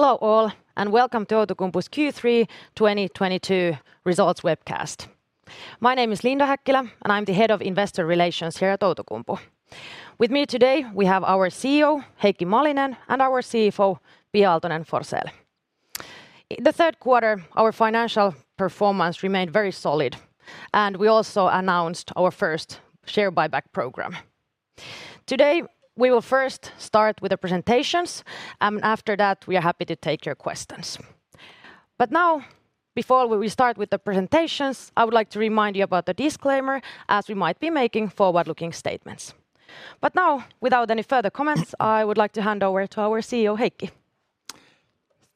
Hello all, and welcome to Outokumpu's Q3 2022 Results Webcast. My name is Linda Häkkilä, and I'm the Head of Investor Relations here at Outokumpu. With me today, we have our CEO, Heikki Malinen, and our CFO, Pia Aaltonen-Forsell. In the third quarter, our financial performance remained very solid, and we also announced our first share buyback program. Today, we will first start with the presentations, after that, we are happy to take your questions. Now, before we start with the presentations, I would like to remind you about the disclaimer, as we might be making forward-looking statements. Now, without any further comments, I would like to hand over to our CEO, Heikki.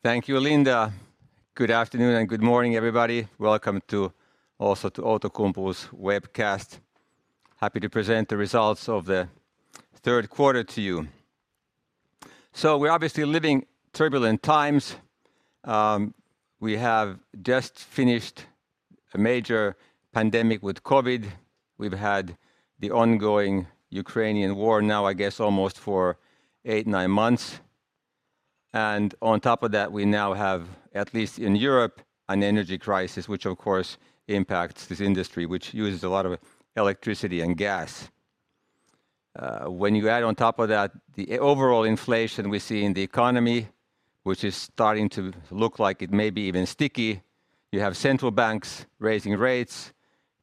Thank you, Linda. Good afternoon and good morning, everybody. Welcome to Outokumpu's webcast. Happy to present the results of the third quarter to you. We're obviously living turbulent times. We have just finished a major pandemic with COVID. We've had the ongoing Ukrainian war now, I guess, almost for eight to nine months and on top of that, we now have, at least in Europe, an energy crisis, which of course impacts this industry, which uses a lot of electricity and gas. When you add on top of that the overall inflation we see in the economy, which is starting to look like it may be even sticky, you have central banks raising rates,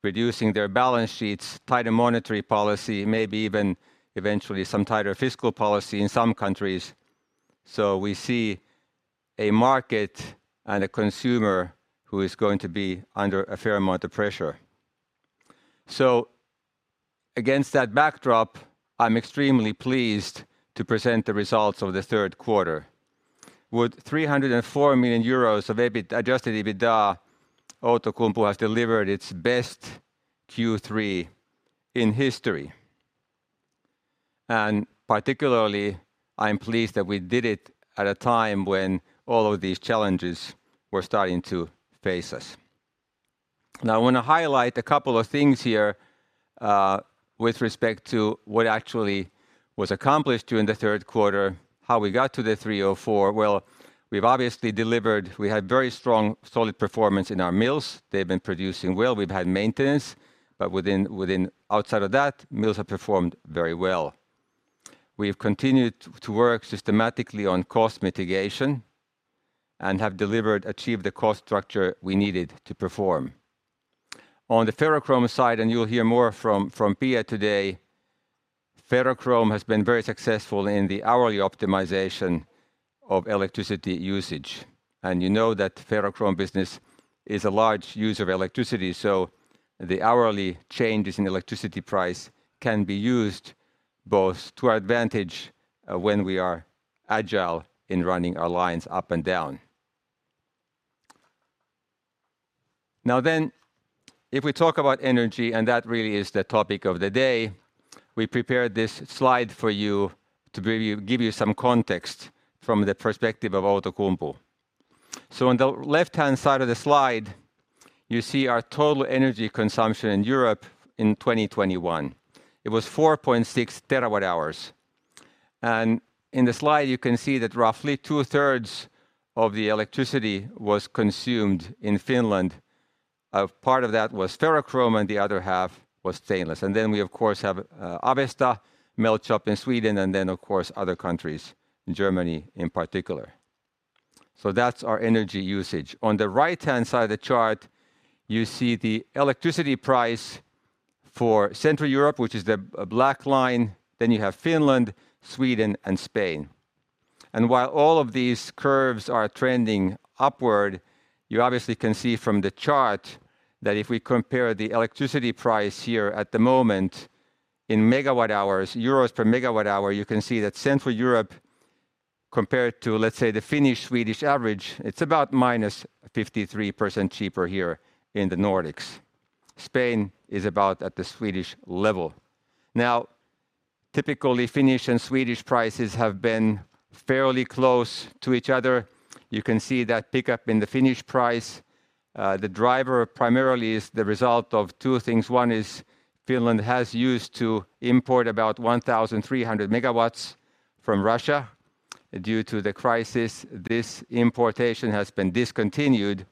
reducing their balance sheets, tighter monetary policy, maybe even eventually some tighter fiscal policy in some countries. We see a market and a consumer who is going to be under a fair amount of pressure. Against that backdrop, I'm extremely pleased to present the results of the third quarter. With 304 million euros of adjusted EBITDA, Outokumpu has delivered its best Q3 in history. Particularly, I'm pleased that we did it at a time when all of these challenges were starting to face us. Now, I wanna highlight a couple of things here with respect to what actually was accomplished during the third quarter, how we got to the 304. Well, we've obviously delivered. We had very strong, solid performance in our mills. They've been producing well. We've had maintenance, but within outside of that, mills have performed very well. We have continued to work systematically on cost mitigation and have delivered, achieved the cost structure we needed to perform. On the ferrochrome side, and you'll hear more from Pia today, ferrochrome has been very successful in the hourly optimization of electricity usage. You know that ferrochrome business is a large user of electricity, so the hourly changes in electricity price can be used both to our advantage when we are agile in running our lines up and down. Now then, if we talk about energy, and that really is the topic of the day, we prepared this slide for you to really give you some context from the perspective of Outokumpu. So on the left-hand side of the slide, you see our total energy consumption in Europe in 2021. It was 4.6 TWh. In the slide, you can see that roughly two-thirds of the electricity was consumed in Finland. Part of that was ferrochrome, and the other half was stainless. Then we of course have Avesta melt shop in Sweden, and then of course other countries, Germany in particular. That's our energy usage. On the right-hand side of the chart, you see the electricity price for Central Europe, which is the black line. You have Finland, Sweden, and Spain. While all of these curves are trending upward, you obviously can see from the chart that if we compare the electricity price here at the moment in megawatt hours, euro per megawatt hour, you can see that Central Europe compared to, let's say, the Finnish, Swedish average, it's about -53% cheaper here in the Nordics. Spain is about at the Swedish level. Now, typically, Finnish and Swedish prices have been fairly close to each other. You can see that pickup in the Finnish price, the driver primarily is the result of two things. One is Finland has used to import about 1,300 MW from Russia. Due to the crisis, this importation has been discontinued.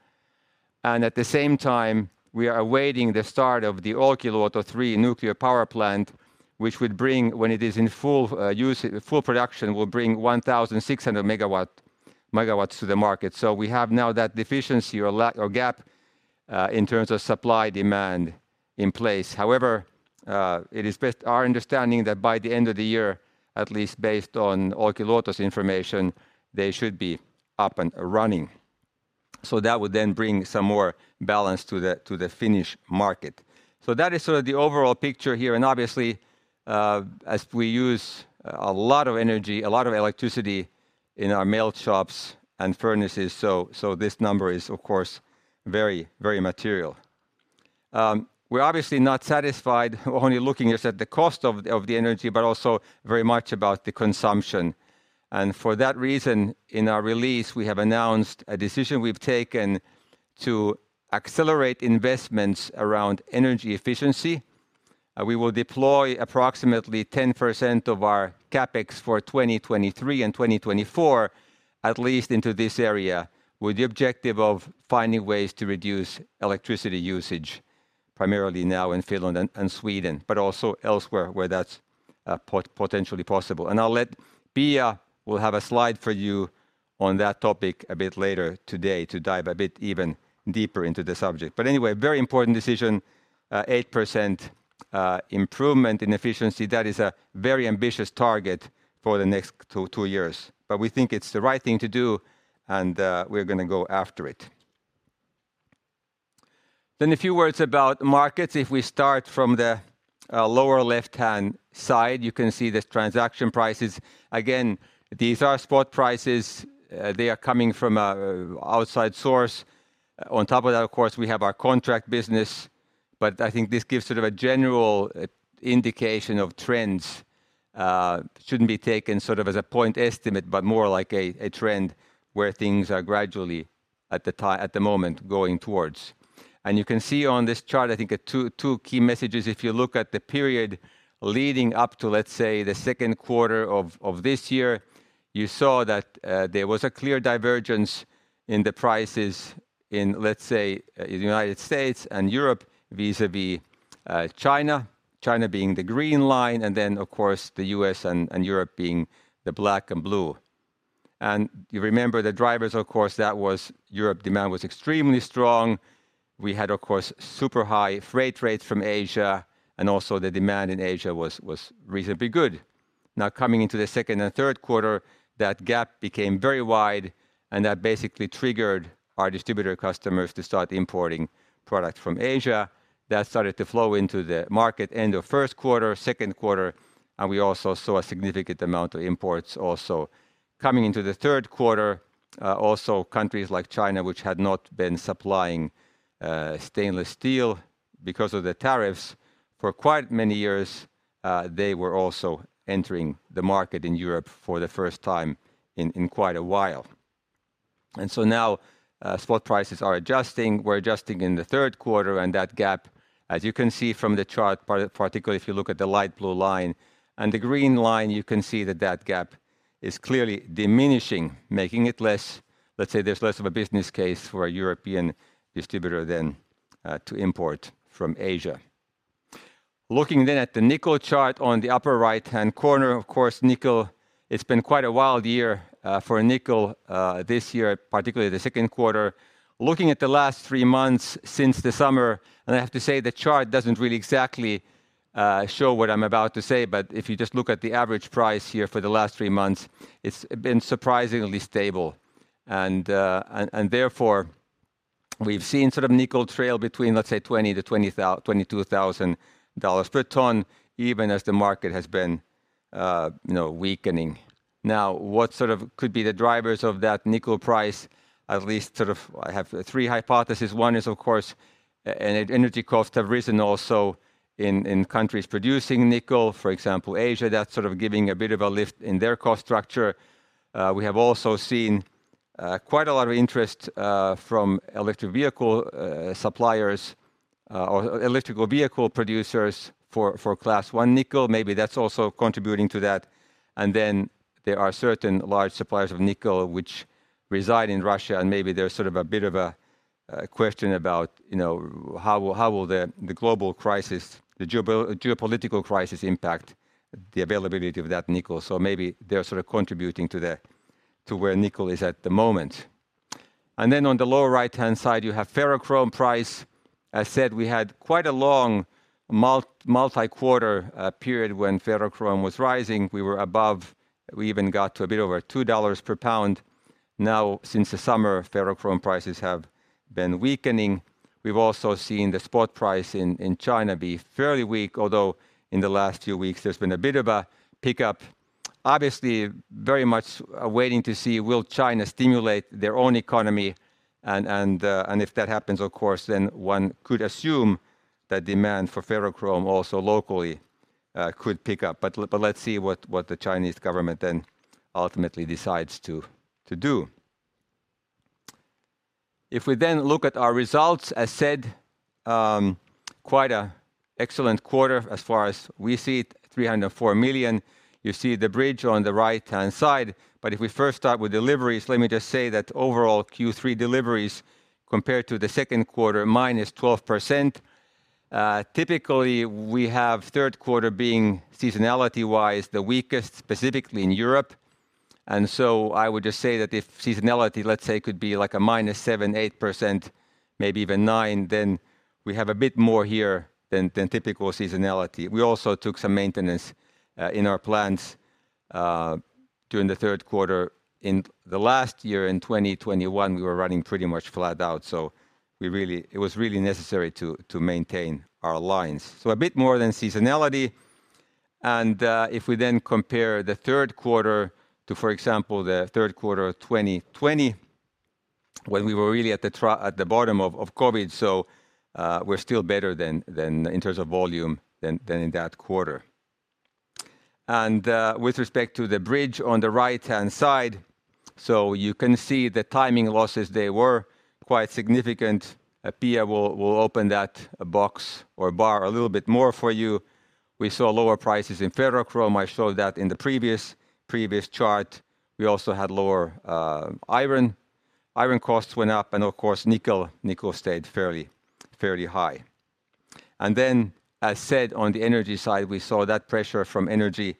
At the same time, we are awaiting the start of the Olkiluoto three nuclear power plant, which would bring, when it is in full use, full production, will bring 1,600 MW to the market. We have now that deficiency or gap in terms of supply-demand in place. However, it is our best understanding that by the end of the year, at least based on Olkiluoto's information, they should be up and running. That would then bring some more balance to the Finnish market. That is sort of the overall picture here, and obviously, as we use a lot of energy, a lot of electricity in our melt shops and furnaces, so this number is, of course, very material. We're obviously not satisfied only looking just at the cost of the energy, but also very much about the consumption. For that reason, in our release, we have announced a decision we've taken to accelerate investments around energy efficiency. We will deploy approximately 10% of our CapEx for 2023 and 2024 at least into this area, with the objective of finding ways to reduce electricity usage, primarily now in Finland and Sweden, but also elsewhere where that's potentially possible. I'll let Pia have a slide for you on that topic a bit later today to dive a bit even deeper into the subject. Anyway, a very important decision, 8% improvement in efficiency, that is a very ambitious target for the next two years. We think it's the right thing to do, and we're gonna go after it. A few words about markets. If we start from the lower left-hand side, you can see the transaction prices. Again, these are spot prices. They are coming from outside source. On top of that, of course, we have our contract business, but I think this gives sort of a general indication of trends. Shouldn't be taken sort of as a point estimate, but more like a trend where things are gradually at the moment going towards. You can see on this chart, I think two key messages. If you look at the period leading up to, let's say, the second quarter of this year, you saw that there was a clear divergence in the prices in, let's say, United States and Europe vis-à-vis China. China being the green line, and then, of course, the U.S. and Europe being the black and blue. You remember the drivers, of course, that was. Europe demand was extremely strong. We had, of course, super high freight rates from Asia, and also the demand in Asia was reasonably good. Now, coming into the second and third quarter, that gap became very wide, and that basically triggered our distributor customers to start importing products from Asia. That started to flow into the market end of first quarter, second quarter, and we also saw a significant amount of imports also coming into the third quarter. Also, countries like China, which had not been supplying stainless steel because of the tariffs for quite many years, they were also entering the market in Europe for the first time in quite a while. Now, spot prices are adjusting. We're adjusting in the third quarter, and that gap, as you can see from the chart, particularly if you look at the light blue line and the green line, you can see that gap is clearly diminishing, making it less. Let's say there's less of a business case for a European distributor than to import from Asia. Looking then at the nickel chart on the upper right-hand corner, of course, nickel, it's been quite a wild year for nickel this year, particularly the second quarter. Looking at the last three months since the summer, and I have to say the chart doesn't really exactly show what I'm about to say, but if you just look at the average price here for the last three months, it's been surprisingly stable. Therefore, we've seen sort of nickel trail between, let's say, $20,000-$22,000 per ton, even as the market has been, you know, weakening. Now, what sort of could be the drivers of that nickel price? At least sort of I have three hypotheses. One is, of course, energy costs have risen also in countries producing nickel, for example, Asia. That's sort of giving a bit of a lift in their cost structure. We have also seen quite a lot of interest from electric vehicle suppliers or electric vehicle producers for Class One nickel. Maybe that's also contributing to that. Then there are certain large suppliers of nickel which reside in Russia, and maybe there's a bit of a question about how will the global crisis, the geopolitical crisis impact the availability of that nickel. Maybe they're contributing to where nickel is at the moment. Then on the lower right-hand side, you have ferrochrome price. I said we had quite a long multi-quarter period when ferrochrome was rising. We were above. We even got to a bit over $2 per pound. Now, since the summer, ferrochrome prices have been weakening. We've also seen the spot price in China be fairly weak, although in the last few weeks, there's been a bit of a pickup. Obviously, very much waiting to see will China stimulate their own economy, and if that happens, of course, then one could assume that demand for ferrochrome also locally could pick up. Let's see what the Chinese government then ultimately decides to do. If we then look at our results, as said, quite an excellent quarter as far as we see it, 304 million. You see the bridge on the right-hand side. If we first start with deliveries, let me just say that overall Q3 deliveries compared to the second quarter, -12%. Typically, we have third quarter being seasonality-wise, the weakest, specifically in Europe. I would just say that if seasonality, let's say, could be like a -7% to -8%, maybe even 9%, then we have a bit more here than typical seasonality. We also took some maintenance in our plants during the third quarter. In the last year, in 2021, we were running pretty much flat out, so it was really necessary to maintain our lines. A bit more than seasonality. If we then compare the third quarter to, for example, the third quarter of 2020, when we were really at the bottom of COVID, so we're still better than in terms of volume than in that quarter. With respect to the bridge on the right-hand side, so you can see the timing losses, they were quite significant. Pia will open that box or bar a little bit more for you. We saw lower prices in ferrochrome. I showed that in the previous chart. Iron costs went up and of course, nickel stayed fairly high. As said on the energy side, we saw that pressure from energy,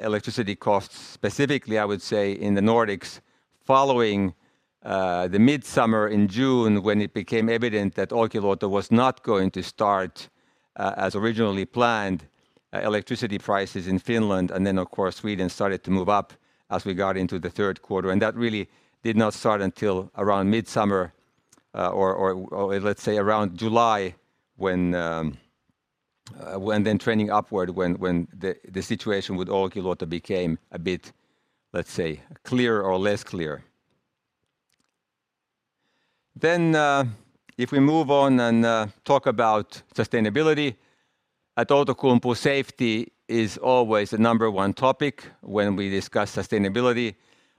electricity costs specifically, I would say in the Nordics following the midsummer in June when it became evident that Olkiluoto was not going to start as originally planned. Electricity prices in Finland and then of course Sweden started to move up as we got into the third quarter. That really did not start until around midsummer, or let's say around July when then trending upward when the situation with Olkiluoto became a bit, let's say, clearer or less clear. If we move on and talk about sustainability. At Outokumpu safety is always the number one topic when we discuss sustainability.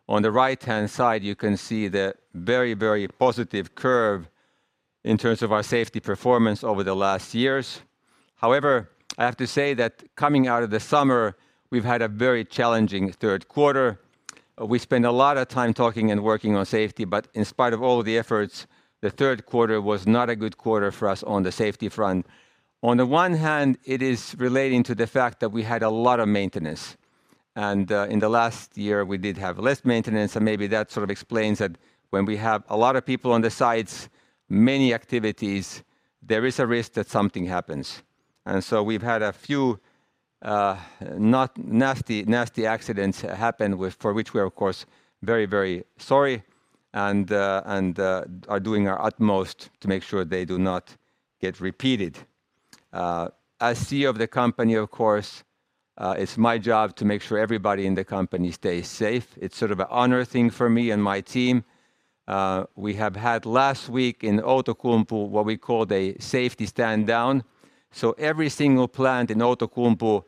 On the right-hand side, you can see the very, very positive curve in terms of our safety performance over the last years. However, I have to say that coming out of the summer, we've had a very challenging third quarter. We spent a lot of time talking and working on safety, but in spite of all of the efforts, the third quarter was not a good quarter for us on the safety front. On the one hand, it is relating to the fact that we had a lot of maintenance, and in the last year we did have less maintenance, and maybe that sort of explains that when we have a lot of people on the sites, many activities, there is a risk that something happens. We've had a few nasty accidents happen for which we are of course very, very sorry and are doing our utmost to make sure they do not get repeated. As CEO of the company of course, it's my job to make sure everybody in the company stays safe. It's sort of an honor thing for me and my team. We have had last week in Outokumpu what we called a safety stand down. Every single plant in Outokumpu,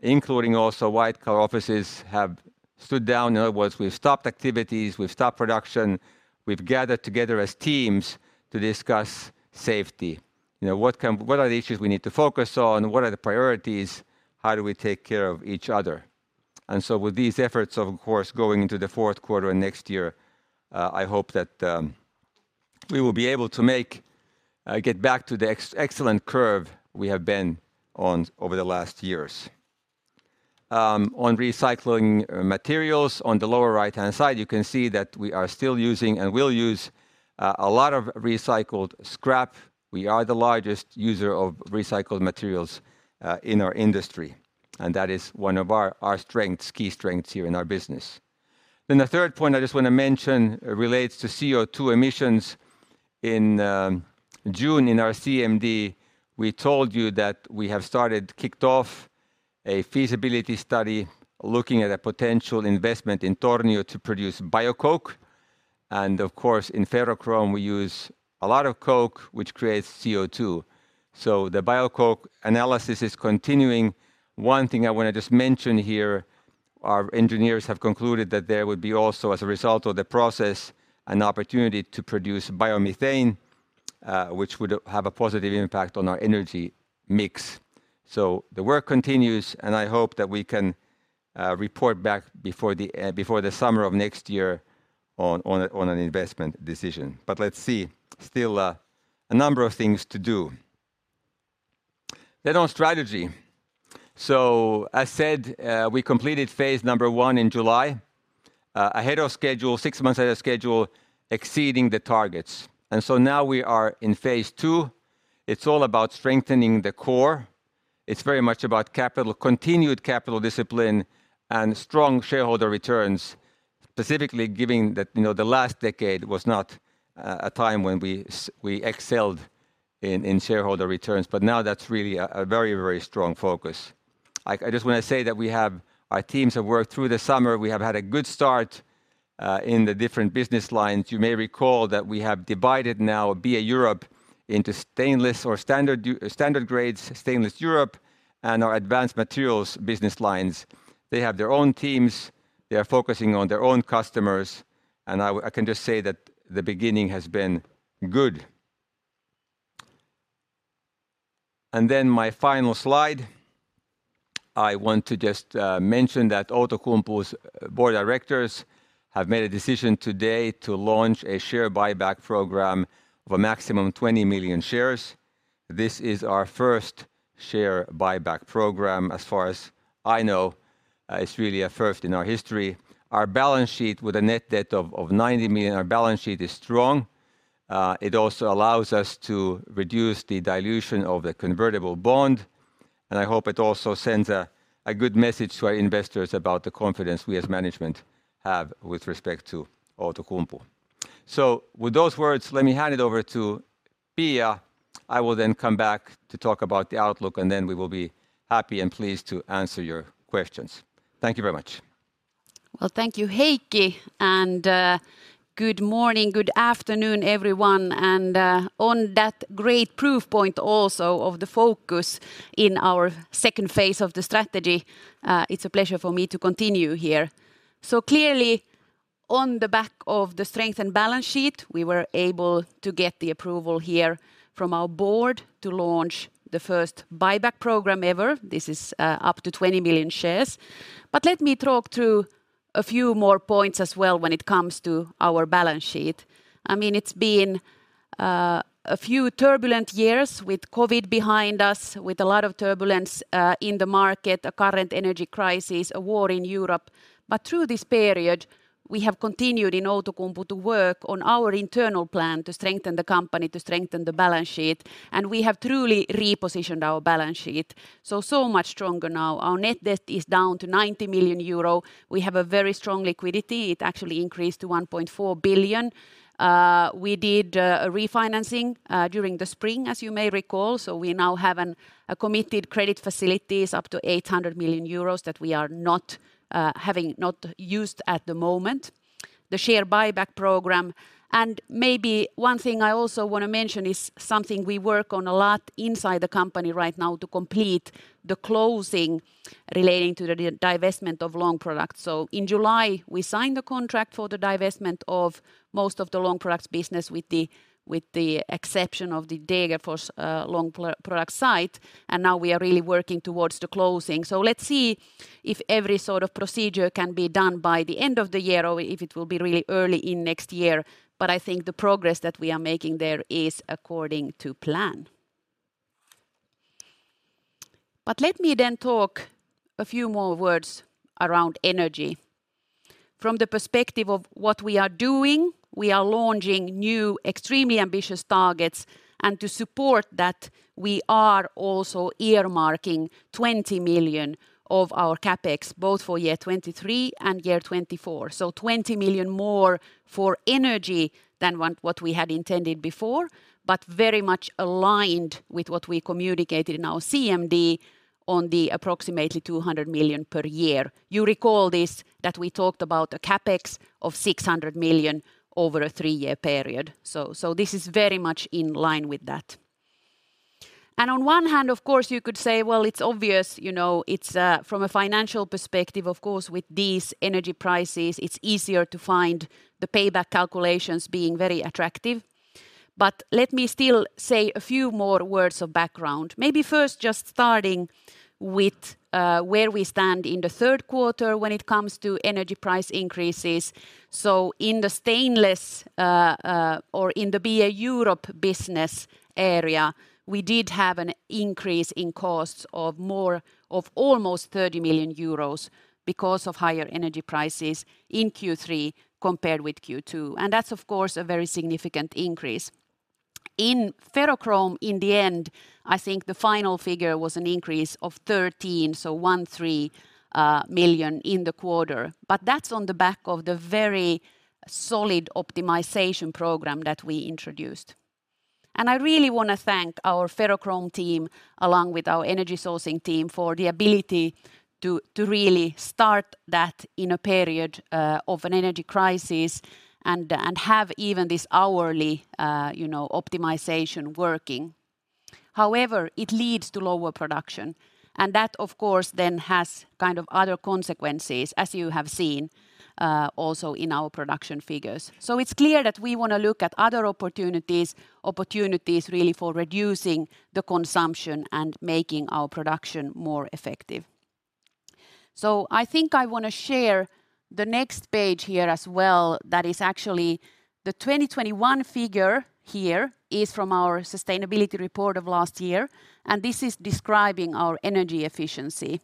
including also white-collar offices, have stood down. In other words, we've stopped activities, we've stopped production, we've gathered together as teams to discuss safety. You know, what are the issues we need to focus on? What are the priorities? How do we take care of each other? With these efforts of course, going into the fourth quarter and next year, I hope that we will be able to get back to the excellent curve we have been on over the last years. On recycling materials. On the lower right-hand side, you can see that we are still using and will use a lot of recycled scrap. We are the largest user of recycled materials in our industry, and that is one of our key strengths here in our business. The third point I just wanna mention relates to CO2 emissions. In June, in our CMD, we told you that we have started, kicked off a feasibility study looking at a potential investment in Tornio to produce bio coke, and of course in ferrochrome we use a lot of coke, which creates CO2. The bio coke analysis is continuing. One thing I wanna just mention here, our engineers have concluded that there would be also, as a result of the process, an opportunity to produce biomethane, which would have a positive impact on our energy mix. The work continues, and I hope that we can report back before the summer of next year on an investment decision. Let's see, still a number of things to do. On strategy. As said, we completed phase 1 in July, ahead of schedule, six months ahead of schedule, exceeding the targets. We are in phase 2. It's all about strengthening the core. It's very much about capital, continued capital discipline and strong shareholder returns, specifically giving that, you know, the last decade was not a time when we excelled in shareholder returns, but now that's really a very, very strong focus. I just want to say that our teams have worked through the summer. We have had a good start in the different business lines. You may recall that we have divided now BA Europe into stainless or standard grades, stainless Europe, and our advanced materials business lines. They have their own teams, they are focusing on their own customers, and I can just say that the beginning has been good. Then my final slide, I want to just mention that Outokumpu's board of directors have made a decision today to launch a share buyback program of a maximum 20 million shares. This is our first share buyback program, as far as I know. It's really a first in our history. Our balance sheet with a net debt of 90 million, our balance sheet is strong. It also allows us to reduce the dilution of the convertible bond, and I hope it also sends a good message to our investors about the confidence we as management have with respect to Outokumpu. With those words, let me hand it over to Pia. I will then come back to talk about the outlook, and then we will be happy and pleased to answer your questions. Thank you very much. Well, thank you, Heikki, and good morning, good afternoon, everyone. On that great proof point also of the focus in our second phase of the strategy, it's a pleasure for me to continue here. Clearly, on the back of the strength and balance sheet, we were able to get the approval here from our board to launch the first buyback program ever. This is up to 20 million shares. Let me talk through a few more points as well when it comes to our balance sheet. I mean, it's been a few turbulent years with COVID behind us, with a lot of turbulence in the market, a current energy crisis, a war in Europe. through this period, we have continued in Outokumpu to work on our internal plan to strengthen the company, to strengthen the balance sheet, and we have truly repositioned our balance sheet. so much stronger now. Our net debt is down to 90 million euro. We have a very strong liquidity. It actually increased to 1.4 billion. we did a refinancing during the spring, as you may recall. we now have a committed credit facilities up to 800 million euros that we are not having used at the moment. The share buyback program and maybe one thing I also wanna mention is something we work on a lot inside the company right now to complete the closing relating to the divestment of Long Products. In July, we signed the contract for the divestment of most of the Long Products business with the exception of the Degerfors Long Products site, and now we are really working towards the closing. Let's see if every sort of procedure can be done by the end of the year or if it will be really early in next year. I think the progress that we are making there is according to plan. Let me then talk a few more words around energy. From the perspective of what we are doing, we are launching new extremely ambitious targets. To support that, we are also earmarking 20 million of our CapEx, both for year 2023 and year 2024. 20 million more for energy than what we had intended before, but very much aligned with what we communicated in our CMD on the approximately 200 million per year. You recall this, that we talked about a CapEx of 600 million over a three-year period. This is very much in line with that. On one hand, of course, you could say, well, it's obvious, you know, it's from a financial perspective, of course, with these energy prices, it's easier to find the payback calculations being very attractive. Let me still say a few more words of background. Maybe first just starting with where we stand in the third quarter when it comes to energy price increases. In the BA Europe business area, we did have an increase in costs of almost 30 million euros because of higher energy prices in Q3 compared with Q2. That's of course a very significant increase. In ferrochrome, in the end, I think the final figure was an increase of 13 million in the quarter. That's on the back of the very solid optimization program that we introduced. I really wanna thank our ferrochrome team, along with our energy sourcing team, for the ability to really start that in a period of an energy crisis and have even this hourly optimization working. However, it leads to lower production, and that of course then has kind of other consequences, as you have seen also in our production figures. It's clear that we wanna look at other opportunities really for reducing the consumption and making our production more effective. I think I wanna share the next page here as well that is actually the 2021 figure here is from our sustainability report of last year, and this is describing our energy efficiency.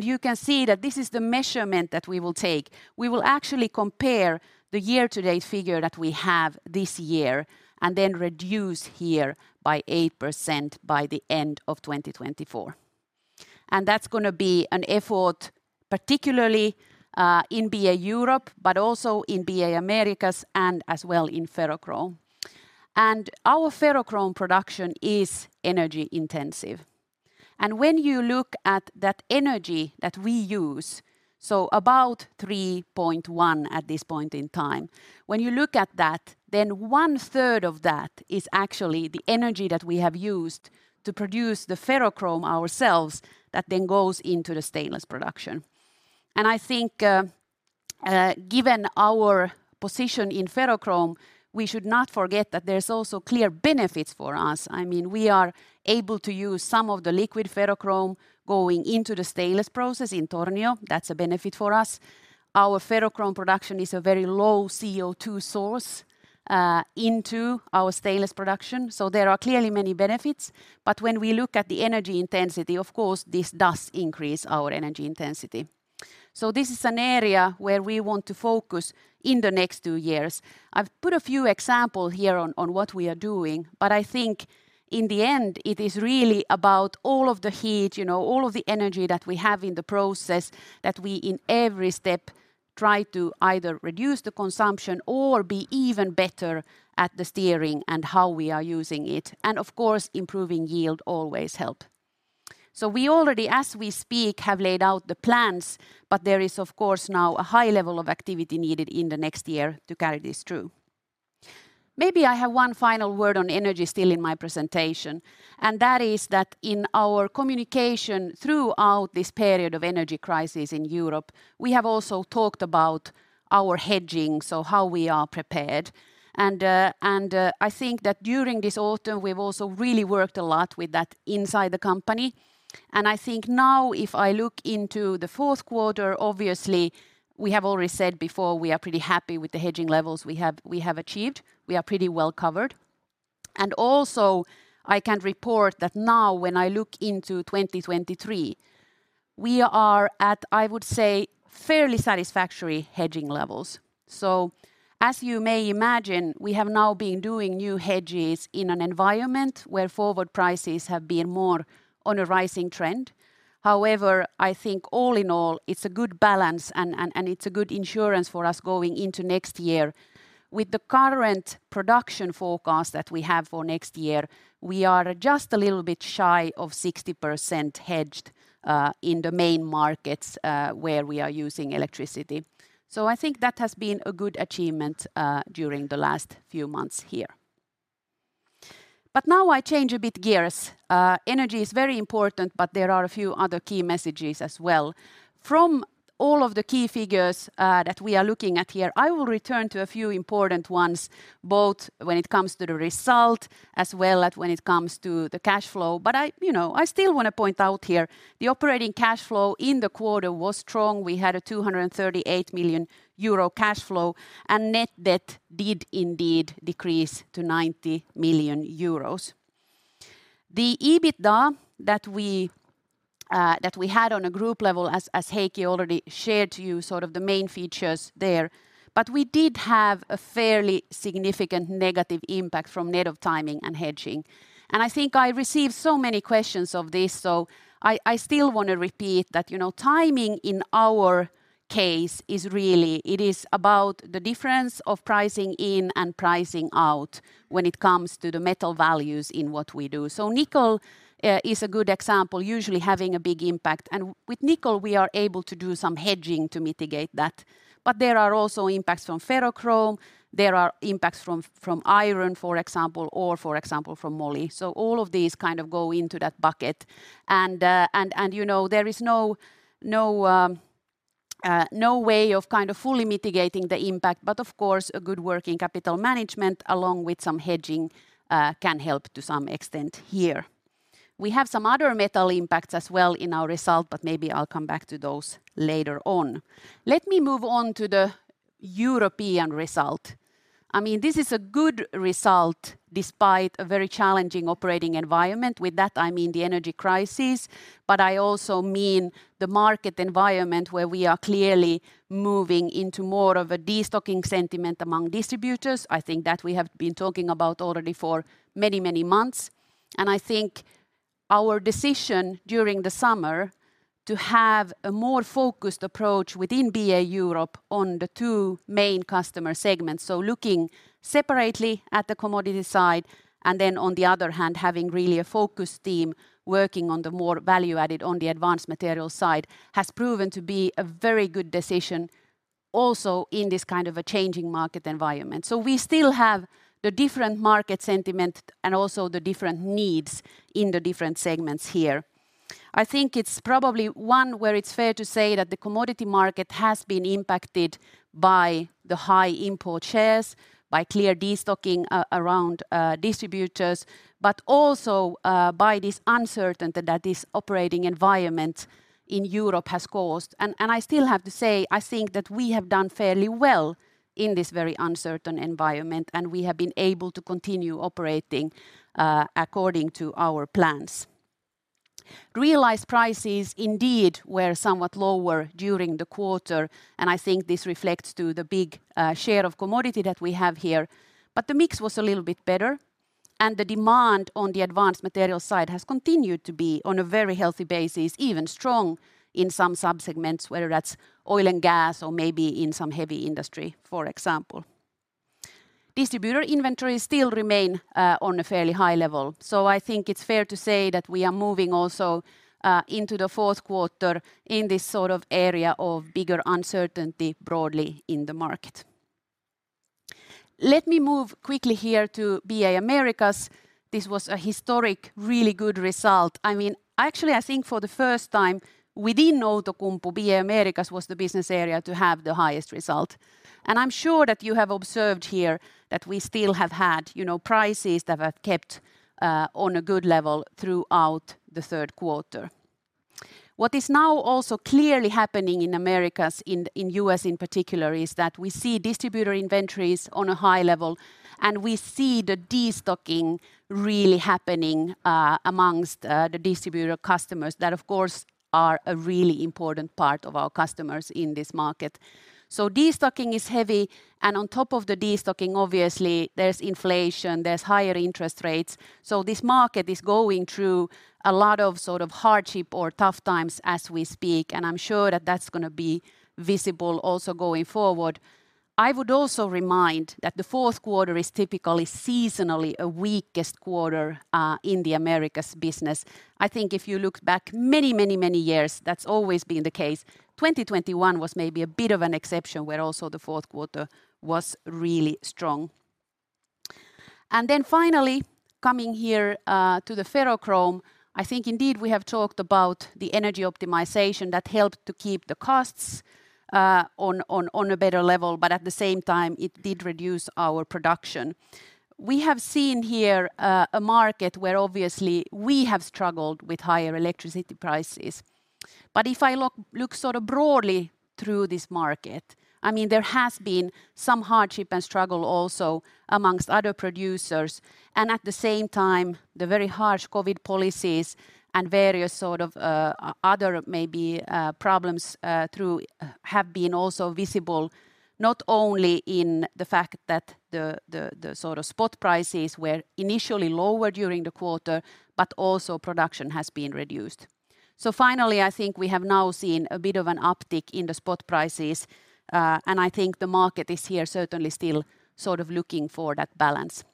You can see that this is the measurement that we will take. We will actually compare the year-to-date figure that we have this year and then reduce here by 8% by the end of 2024. That's gonna be an effort particularly in BA Europe, but also in BA Americas and as well in ferrochrome. Our ferrochrome production is energy intensive. When you look at that energy that we use, so about 3.1 at this point in time, when you look at that, then one-third of that is actually the energy that we have used to produce the ferrochrome ourselves that then goes into the stainless production. I think, given our position in ferrochrome, we should not forget that there's also clear benefits for us. I mean, we are able to use some of the liquid ferrochrome going into the stainless process in Tornio. That's a benefit for us. Our ferrochrome production is a very low CO2 source into our stainless production, so there are clearly many benefits. When we look at the energy intensity, of course, this does increase our energy intensity. This is an area where we want to focus in the next two years. I've put a few example here on what we are doing, but I think in the end, it is really about all of the heat, you know, all of the energy that we have in the process, that we in every step try to either reduce the consumption or be even better at the steering and how we are using it. Of course, improving yield always help. We already, as we speak, have laid out the plans, but there is of course now a high level of activity needed in the next year to carry this through. Maybe I have one final word on energy still in my presentation, and that is that in our communication throughout this period of energy crisis in Europe, we have also talked about our hedging, so how we are prepared. I think that during this autumn, we've also really worked a lot with that inside the company. I think now if I look into the fourth quarter, obviously we have already said before we are pretty happy with the hedging levels we have, we have achieved. We are pretty well covered. I also can report that now when I look into 2023, we are at, I would say, fairly satisfactory hedging levels. As you may imagine, we have now been doing new hedges in an environment where forward prices have been more on a rising trend. However, I think all in all, it's a good balance and it's a good insurance for us going into next year. With the current production forecast that we have for next year, we are just a little bit shy of 60% hedged in the main markets where we are using electricity. I think that has been a good achievement during the last few months here. Now I change a bit gears. Energy is very important, but there are a few other key messages as well. From all of the key figures that we are looking at here, I will return to a few important ones, both when it comes to the result as well as when it comes to the cash flow. I, you know, I still wanna point out here the operating cash flow in the quarter was strong. We had a 238 million euro cash flow, and net debt did indeed decrease to 90 million euros. The EBITDA that we had on a group level as Heikki already shared to you, sort of the main features there. We did have a fairly significant negative impact from net of timing and hedging. I think I received so many questions of this, so I still wanna repeat that, you know, timing in our case is really, it is about the difference of pricing in and pricing out when it comes to the metal values in what we do. Nickel is a good example, usually having a big impact. With nickel we are able to do some hedging to mitigate that. There are also impacts from ferrochrome, there are impacts from iron, for example, or for example from moly. All of these kind of go into that bucket. You know there is no way of kind of fully mitigating the impact, but of course a good working capital management along with some hedging can help to some extent here. We have some other metal impacts as well in our result, but maybe I'll come back to those later on. Let me move on to the European result. I mean, this is a good result despite a very challenging operating environment. With that, I mean the energy crisis, but I also mean the market environment where we are clearly moving into more of a destocking sentiment among distributors. I think that we have been talking about already for many months. I think our decision during the summer to have a more focused approach within BA Europe on the two main customer segments, so looking separately at the commodity side and then on the other hand having really a focused team working on the more value added on the advanced materials side, has proven to be a very good decision also in this kind of a changing market environment. We still have the different market sentiment and also the different needs in the different segments here. I think it's probably one where it's fair to say that the commodity market has been impacted by the high import shares, by clear destocking around distributors, but also by this uncertainty that this operating environment in Europe has caused. I still have to say, I think that we have done fairly well in this very uncertain environment, and we have been able to continue operating according to our plans. Realized prices indeed were somewhat lower during the quarter, and I think this reflects the big share of commodity that we have here. The mix was a little bit better, and the demand on the advanced materials side has continued to be on a very healthy basis, even strong in some sub-segments, whether that's oil and gas or maybe in some heavy industry, for example. Distributor inventories still remain on a fairly high level. I think it's fair to say that we are moving also into the fourth quarter in this sort of area of bigger uncertainty broadly in the market. Let me move quickly here to BA Americas. This was a historic, really good result. I mean, actually, I think for the first time within Outokumpu, BA Americas was the business area to have the highest result. I'm sure that you have observed here that we still have had, you know, prices that have kept on a good level throughout the third quarter. What is now also clearly happening in Americas, in U.S. in particular, is that we see distributor inventories on a high level, and we see the destocking really happening among the distributor customers that of course are a really important part of our customers in this market. Destocking is heavy, and on top of the destocking, obviously there's inflation, there's higher interest rates. This market is going through a lot of sort of hardship or tough times as we speak, and I'm sure that that's gonna be visible also going forward. I would also remind that the fourth quarter is typically seasonally a weakest quarter in the Americas business. I think if you look back many years, that's always been the case. 2021 was maybe a bit of an exception where also the fourth quarter was really strong. Finally, coming here to the ferrochrome, I think indeed we have talked about the energy optimization that helped to keep the costs on a better level, but at the same time it did reduce our production. We have seen here a market where obviously we have struggled with higher electricity prices. If I look sort of broadly through this market, I mean, there has been some hardship and struggle also among other producers, and at the same time, the very harsh COVID policies and various sort of other maybe problems have been also visible, not only in the fact that the sort of spot prices were initially lower during the quarter, but also production has been reduced. Finally, I think we have now seen a bit of an uptick in the spot prices, and I think the market is here certainly still sort of looking for that balance.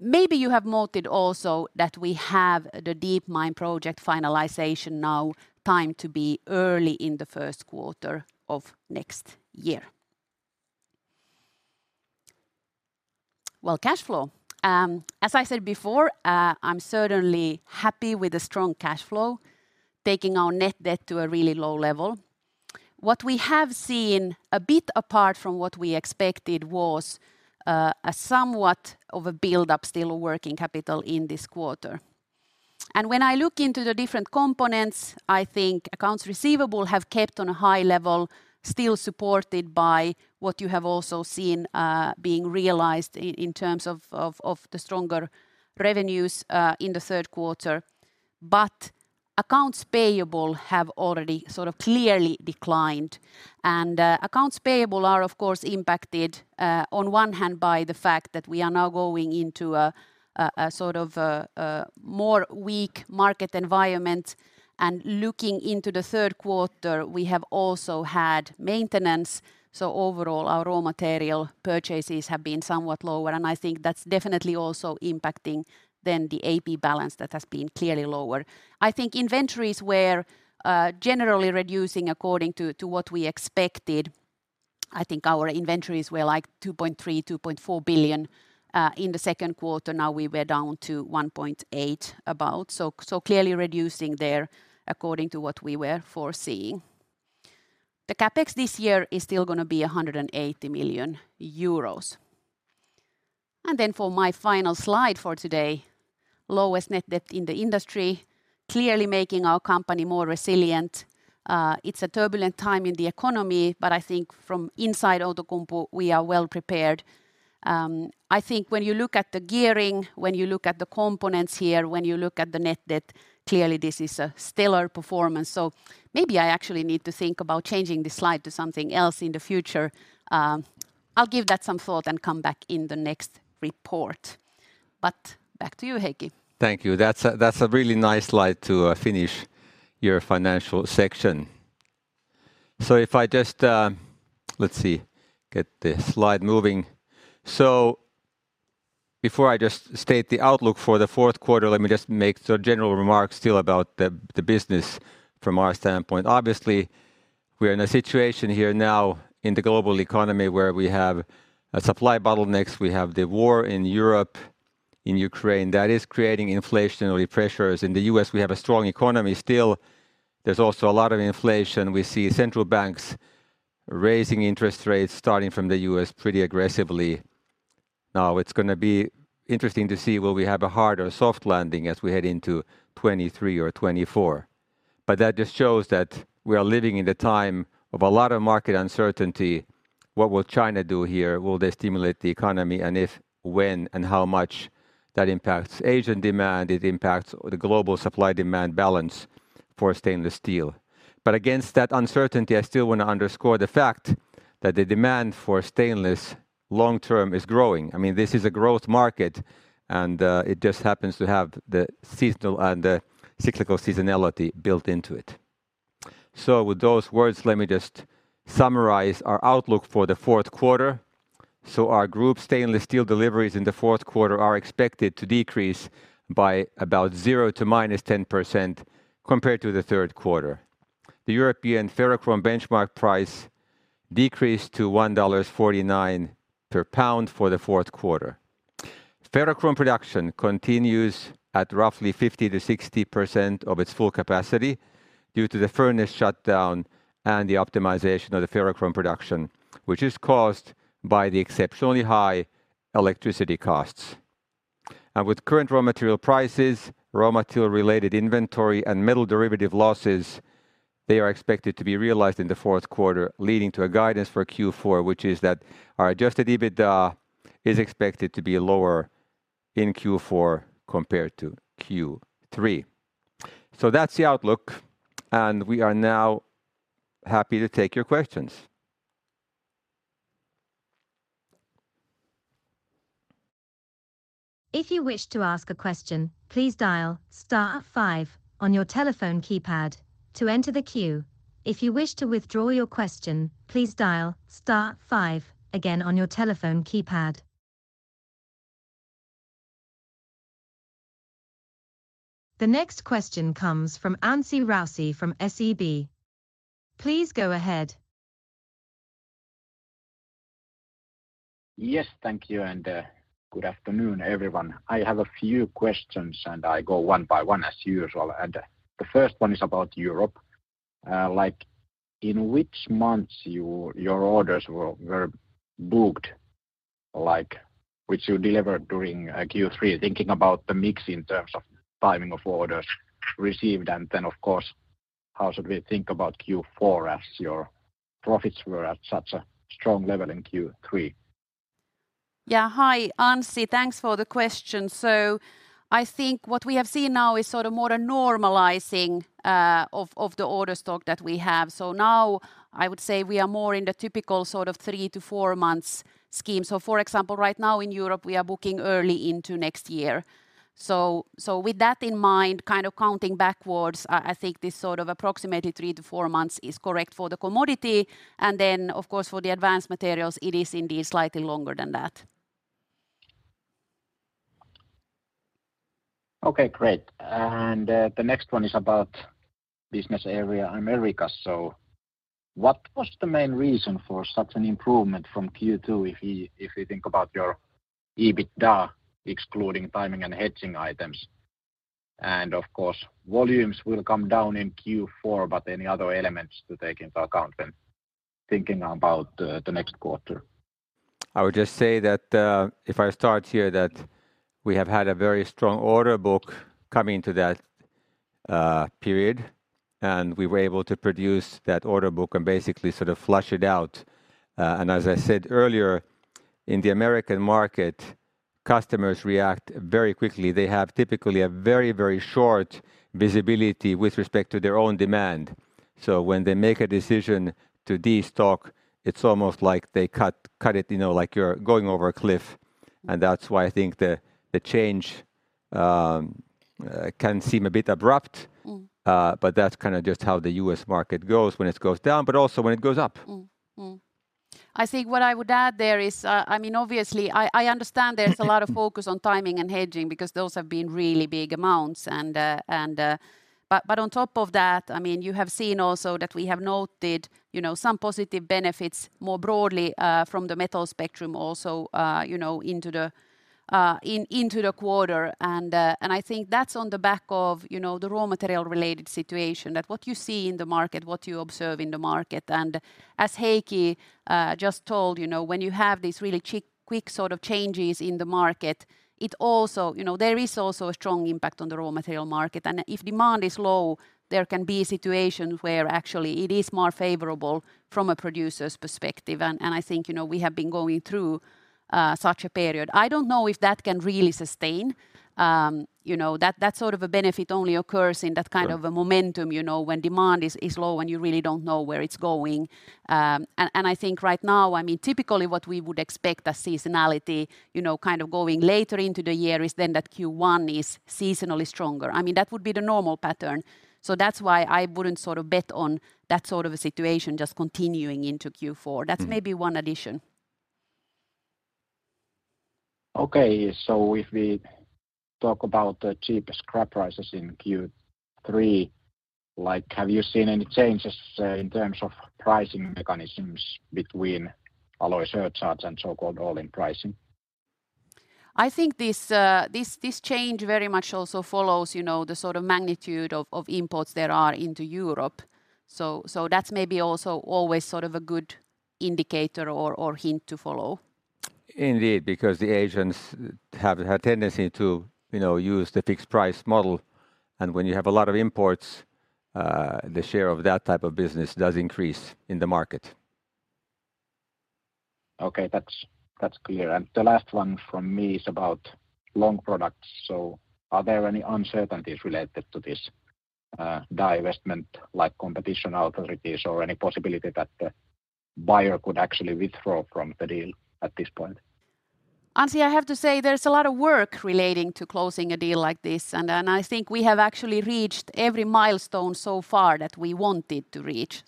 Maybe you have noted also that we have the Kemi Mine expansion finalization now timed to be early in the first quarter of next year. Well, cash flow. As I said before, I'm certainly happy with the strong cash flow, taking our net debt to a really low level. What we have seen a bit apart from what we expected was a somewhat of a build-up in working capital in this quarter. When I look into the different components, I think accounts receivable have kept on a high level, still supported by what you have also seen being realized in terms of the stronger revenues in the third quarter. Accounts payable have already sort of clearly declined. Accounts payable are of course impacted on one hand by the fact that we are now going into a sort of more weak market environment, and looking into the third quarter, we have also had maintenance, so overall our raw material purchases have been somewhat lower, and I think that's definitely also impacting then the AP balance that has been clearly lower. I think inventories were generally reducing according to what we expected. I think our inventories were like 2.3 billion-2.4 billion in the second quarter. Now we were down to about EUR 1.8 billion, so clearly reducing there according to what we were foreseeing. CapEx this year is still gonna be 180 million euros. For my final slide for today, lowest net debt in the industry, clearly making our company more resilient. It's a turbulent time in the economy, but I think from inside Outokumpu we are well prepared. I think when you look at the gearing, when you look at the components here, when you look at the net debt, clearly this is a stellar performance, so maybe I actually need to think about changing this slide to something else in the future. I'll give that some thought and come back in the next report. Back to you, Heikki. Thank you. That's a really nice slide to finish your financial section. If I just... Let's see. Get the slide moving. Before I just state the outlook for the fourth quarter, let me just make some general remarks still about the business from our standpoint. Obviously, we're in a situation here now in the global economy where we have supply bottlenecks, we have the war in Europe, in Ukraine, that is creating inflationary pressures. In the U.S. we have a strong economy still. There's also a lot of inflation. We see central banks raising interest rates starting from the U.S. pretty aggressively. Now, it's gonna be interesting to see will we have a hard or soft landing as we head into 2023 or 2024. That just shows that we are living in a time of a lot of market uncertainty. What will China do here? Will they stimulate the economy? If, when, and how much that impacts Asian demand, it impacts the global supply-demand balance for stainless steel. Against that uncertainty, I still wanna underscore the fact that the demand for stainless long-term is growing. I mean, this is a growth market, and it just happens to have the seasonal and the cyclical seasonality built into it. With those words, let me just summarize our outlook for the fourth quarter. Our group stainless steel deliveries in the fourth quarter are expected to decrease by about 0% to -10% compared to the third quarter. The European ferrochrome benchmark price decreased to $1.49 per pound for the fourth quarter. Ferrochrome production continues at roughly 50%-60% of its full capacity due to the furnace shutdown and the optimization of the ferrochrome production, which is caused by the exceptionally high electricity costs. With current raw material prices, raw material related inventory and metal derivative losses, they are expected to be realized in the fourth quarter, leading to a guidance for Q4, which is that our adjusted EBITDA is expected to be lower in Q4 compared to Q3. That's the outlook, and we are now happy to take your questions. If you wish to ask a question, please dial star five on your telephone keypad to enter the queue. If you wish to withdraw your question, please dial star five again on your telephone keypad. The next question comes from Anssi Raussi from SEB. Please go ahead. Yes thank you and good afternoon everyone. I have a few questions, and I go one by one as usual. The first one is about Europe. Like, in which months your orders were booked, like which you delivered during Q3 thinking about the mix in terms of timing of orders received? Of course, how should we think about Q4 as your profits were at such a strong level in Q3? Yeah hi Anssi thanks for the question I think what we have seen now is sort of more a normalizing of the order stock that we have. Now I would say we are more in the typical sort of three to four months scheme. For example, right now in Europe, we are booking early into next year. With that in mind, kind of counting backwards, I think this sort of approximate three to four months is correct for the commodity. Then of course, for the advanced materials, it is indeed slightly longer than that. Okay, great. The next one is about Business Area Americas. What was the main reason for such an improvement from Q2 if you think about your EBITDA excluding timing and hedging items? Of course, volumes will come down in Q4, but any other elements to take into account when thinking about the next quarter? I would just say that, if I start here that we have had a very strong order book coming to that period, and we were able to produce that order book and basically sort of flush it out. As I said earlier, in the American market, customers react very quickly. They have typically a very, very short visibility with respect to their own demand. So when they make a decision to destock, it's almost like they cut it, you know, like you're going over a cliff. That's why I think the change can seem a bit abrupt. Mm. That's kind of just how the US market goes when it goes down, but also when it goes up. I think what I would add there is, I mean, obviously I understand there's a lot of focus on timing and hedging because those have been really big amounts. On top of that, I mean, you have seen also that we have noted, you know, some positive benefits more broadly from the metal spectrum also, you know, into the quarter. I think that's on the back of, you know, the raw material related situation. That's what you see in the market, what you observe in the market and as Heikki just told, you know, when you have these really quick sort of changes in the market, it also, you know, there is also a strong impact on the raw material market. If demand is low, there can be a situation where actually it is more favorable from a producer's perspective. I think, you know, we have been going through such a period. I don't know if that can really sustain. You know, that sort of a benefit only occurs in that kind of a momentum, you know, when demand is low and you really don't know where it's going. I think right now, I mean, typically what we would expect a seasonality, you know, kind of going later into the year is then that Q1 is seasonally stronger. I mean, that would be the normal pattern. That's why I wouldn't sort of bet on that sort of a situation just continuing into Q4. Mm. That's maybe one addition. Okay. If we talk about the cheaper scrap prices in Q3, like, have you seen any changes in terms of pricing mechanisms between alloy surcharges and so-called all-in pricing? I think this change very much also follows, you know, the sort of magnitude of imports there are into Europe. That's maybe also always sort of a good indicator or hint to follow. Indeed, because the Asians have a tendency to, you know, use the fixed price model. When you have a lot of imports, the share of that type of business does increase in the market. Okay that's clear the last one from me is about Long Products. Are there any uncertainties related to this divestment, like competition authorities or any possibility that the buyer could actually withdraw from the deal at this point? Anssi I have to say there's a lot of work relating to closing a deal like this. I think we have actually reached every milestone so far that we wanted to reach.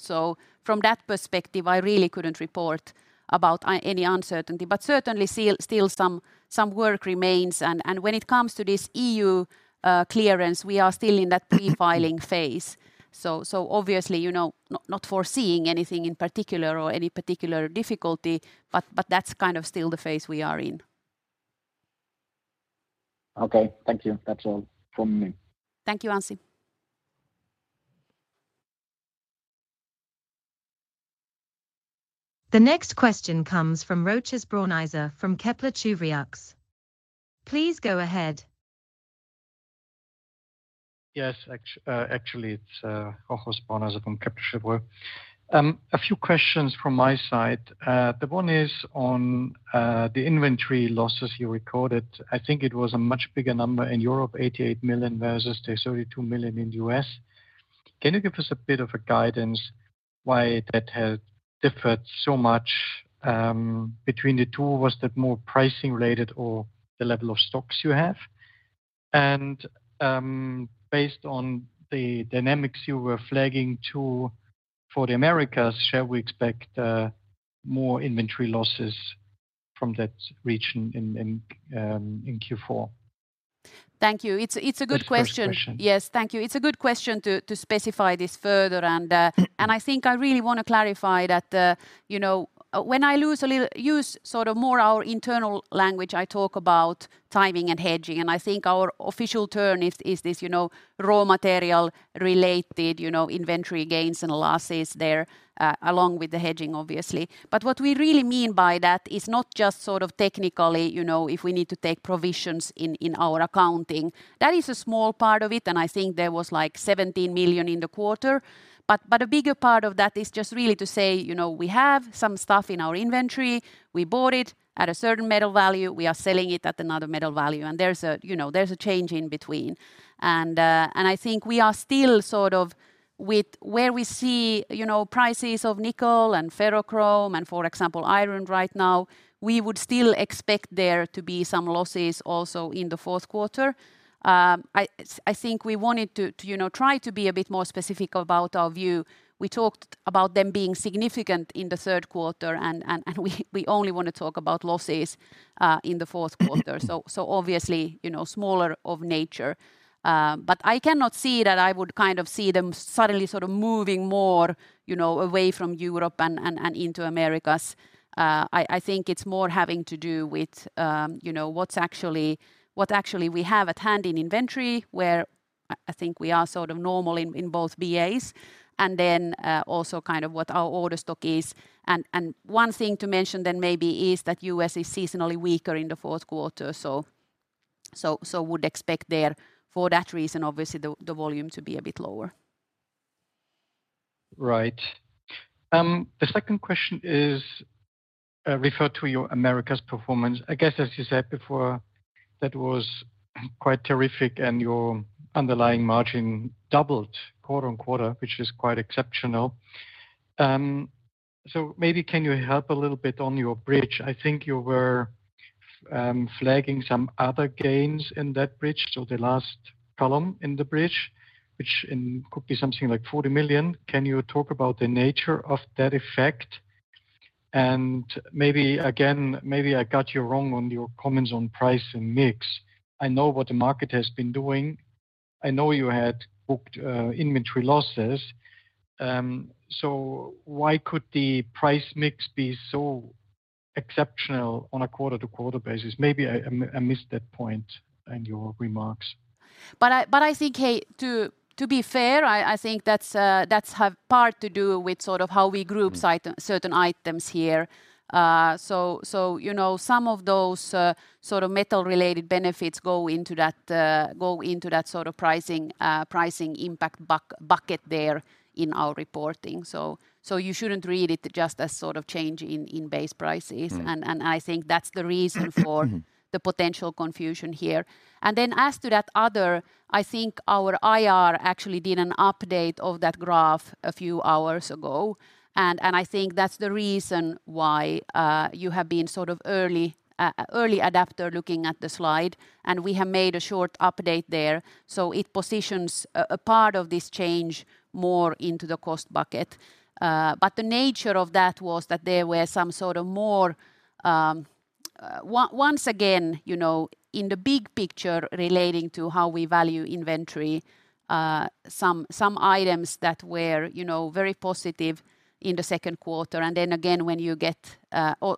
From that perspective, I really couldn't report about any uncertainty. Certainly still some work remains. When it comes to this EU clearance, we are still in that pre-filing phase. Obviously, you know, not foreseeing anything in particular or any particular difficulty, but that's kind of still the phase we are in. Okay. Thank you. That's all from me. Thank you Anssi. The next question comes from Rochus Brauneiser from Kepler Cheuvreux. Please go ahead. Yes. Actually, it's Rochus Brauneiser from Kepler Cheuvreux. A few questions from my side. The one is on the inventory losses you recorded. I think it was a much bigger number in Europe, 88 million versus the 32 million in the U.S. Can you give us a bit of a guidance why that has differed so much between the two? Was that more pricing related or the level of stocks you have? Based on the dynamics you were flagging to for the Americas, shall we expect more inventory losses from that region in Q4. Thank you. It's a good question. That's the first question. Yes thank you it's a good question to specify this further and I think I really wanna clarify that, you know, when I use sort of more our internal language, I talk about timing and hedging, and I think our official term is this, you know, raw material related, you know, inventory gains and losses there along with the hedging obviously. But what we really mean by that is not just sort of technically, you know, if we need to take provisions in our accounting. That is a small part of it, and I think there was, like, 17 million in the quarter. A bigger part of that is just really to say, you know, we have some stuff in our inventory, we bought it at a certain metal value, we are selling it at another metal value, and there's a, you know, there's a change in between. I think we are still sort of with where we see, you know, prices of nickel and ferrochrome and, for example, iron right now, we would still expect there to be some losses also in the fourth quarter. I think we wanted to you know, try to be a bit more specific about our view. We talked about them being significant in the third quarter and we only wanna talk about losses in the fourth quarter. Obviously, you know, smaller in nature. I cannot see that I would kind of see them suddenly sort of moving more, you know, away from Europe and into Americas. I think it's more having to do with, you know, what we actually have at hand in inventory, where I think we are sort of normal in both BAs, and then also kind of what our order stock is. One thing to mention then maybe is that U.S. is seasonally weaker in the fourth quarter, so would expect there for that reason, obviously, the volume to be a bit lower. Right. The second question refers to your Americas performance. I guess, as you said before, that was quite terrific and your underlying margin doubled quarter-on-quarter, which is quite exceptional. Maybe can you help a little bit on your bridge? I think you were flagging some other gains in that bridge, so the last column in the bridge, which could be something like 40 million. Can you talk about the nature of that effect? Maybe I got you wrong on your comments on price and mix. I know what the market has been doing. I know you had booked inventory losses. Why could the price mix be so exceptional on a quarter-to-quarter basis? Maybe I missed that point in your remarks. I think hey to be fair, I think that's half to do with sort of how we group- Mm Certain items here. You know, some of those sort of metal-related benefits go into that sort of pricing impact bucket there in our reporting. You shouldn't read it just as sort of change in base prices. Mm. I think that's the reason for the potential confusion here. As to that other, I think our IR actually did an update of that graph a few hours ago, I think that's the reason why you have been sort of early adopter looking at the slide, and we have made a short update there. It positions a part of this change more into the cost bucket. But the nature of that was that there were some sort of more once again, you know, in the big picture relating to how we value inventory, some items that were, you know, very positive in the second quarter.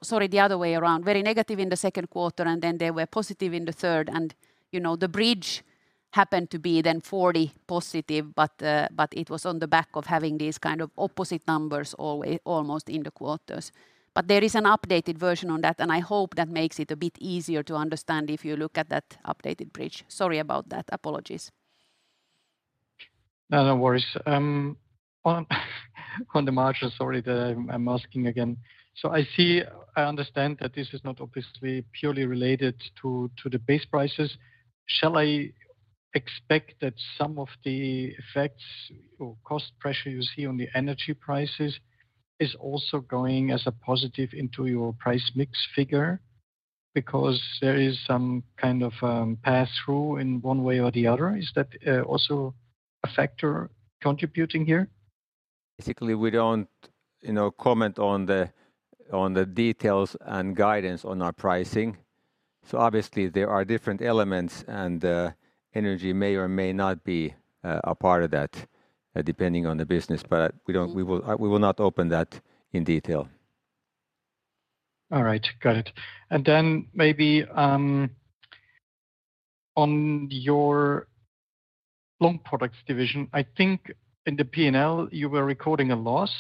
Sorry, the other way around. Very negative in the second quarter, and then they were positive in the third. You know, the bridge happened to be then 40+, but it was on the back of having these kind of opposite numbers almost in the quarters. There is an updated version on that, and I hope that makes it a bit easier to understand if you look at that updated bridge. Sorry about that. Apologies. No, no worries on the margins, sorry that I'm asking again. I see. I understand that this is not obviously purely related to the base prices. Shall I expect that some of the effects or cost pressure you see on the energy prices is also going as a positive into your price mix figure? Because there is some kind of pass-through in one way or the other. Is that also a factor contributing here? Basically we don't, you know, comment on the details and guidance on our pricing. Obviously there are different elements and energy may or may not be a part of that, depending on the business. But we will not open that in detail. All right. Got it. Maybe on your Long Products division, I think in the P&L you were recording a loss.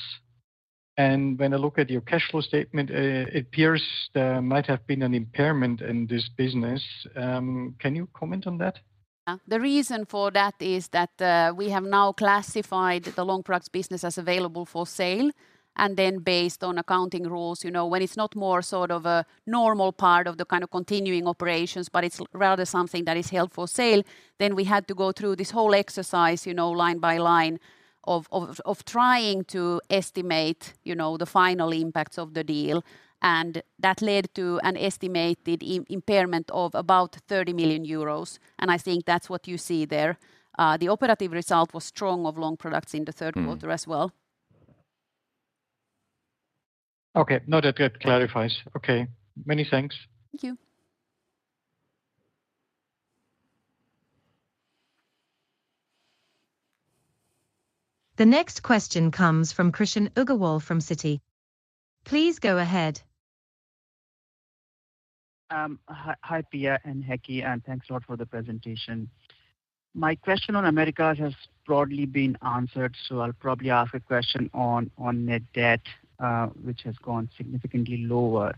When I look at your cash flow statement, it appears there might have been an impairment in this business. Can you comment on that? Yeah. The reason for that is that we have now classified the Long Products business as available for sale. Then based on accounting rules, you know, when it's not more sort of a normal part of the kind of continuing operations, but it's rather something that is held for sale, then we had to go through this whole exercise, you know, line by line of trying to estimate, you know, the final impacts of the deal. That led to an estimated impairment of about 30 million euros, and I think that's what you see there. The operating result was strong for Long Products in the third quarter. Mm As well. Okay. No that clarifies. Okay. Many thanks. Thank you. The next question comes from Krishan Agarwal from Citi. Please go ahead. Hi Pia and Heikki thanks a lot for the presentation. My question on Americas has broadly been answered, so I'll probably ask a question on net debt, which has gone significantly lower.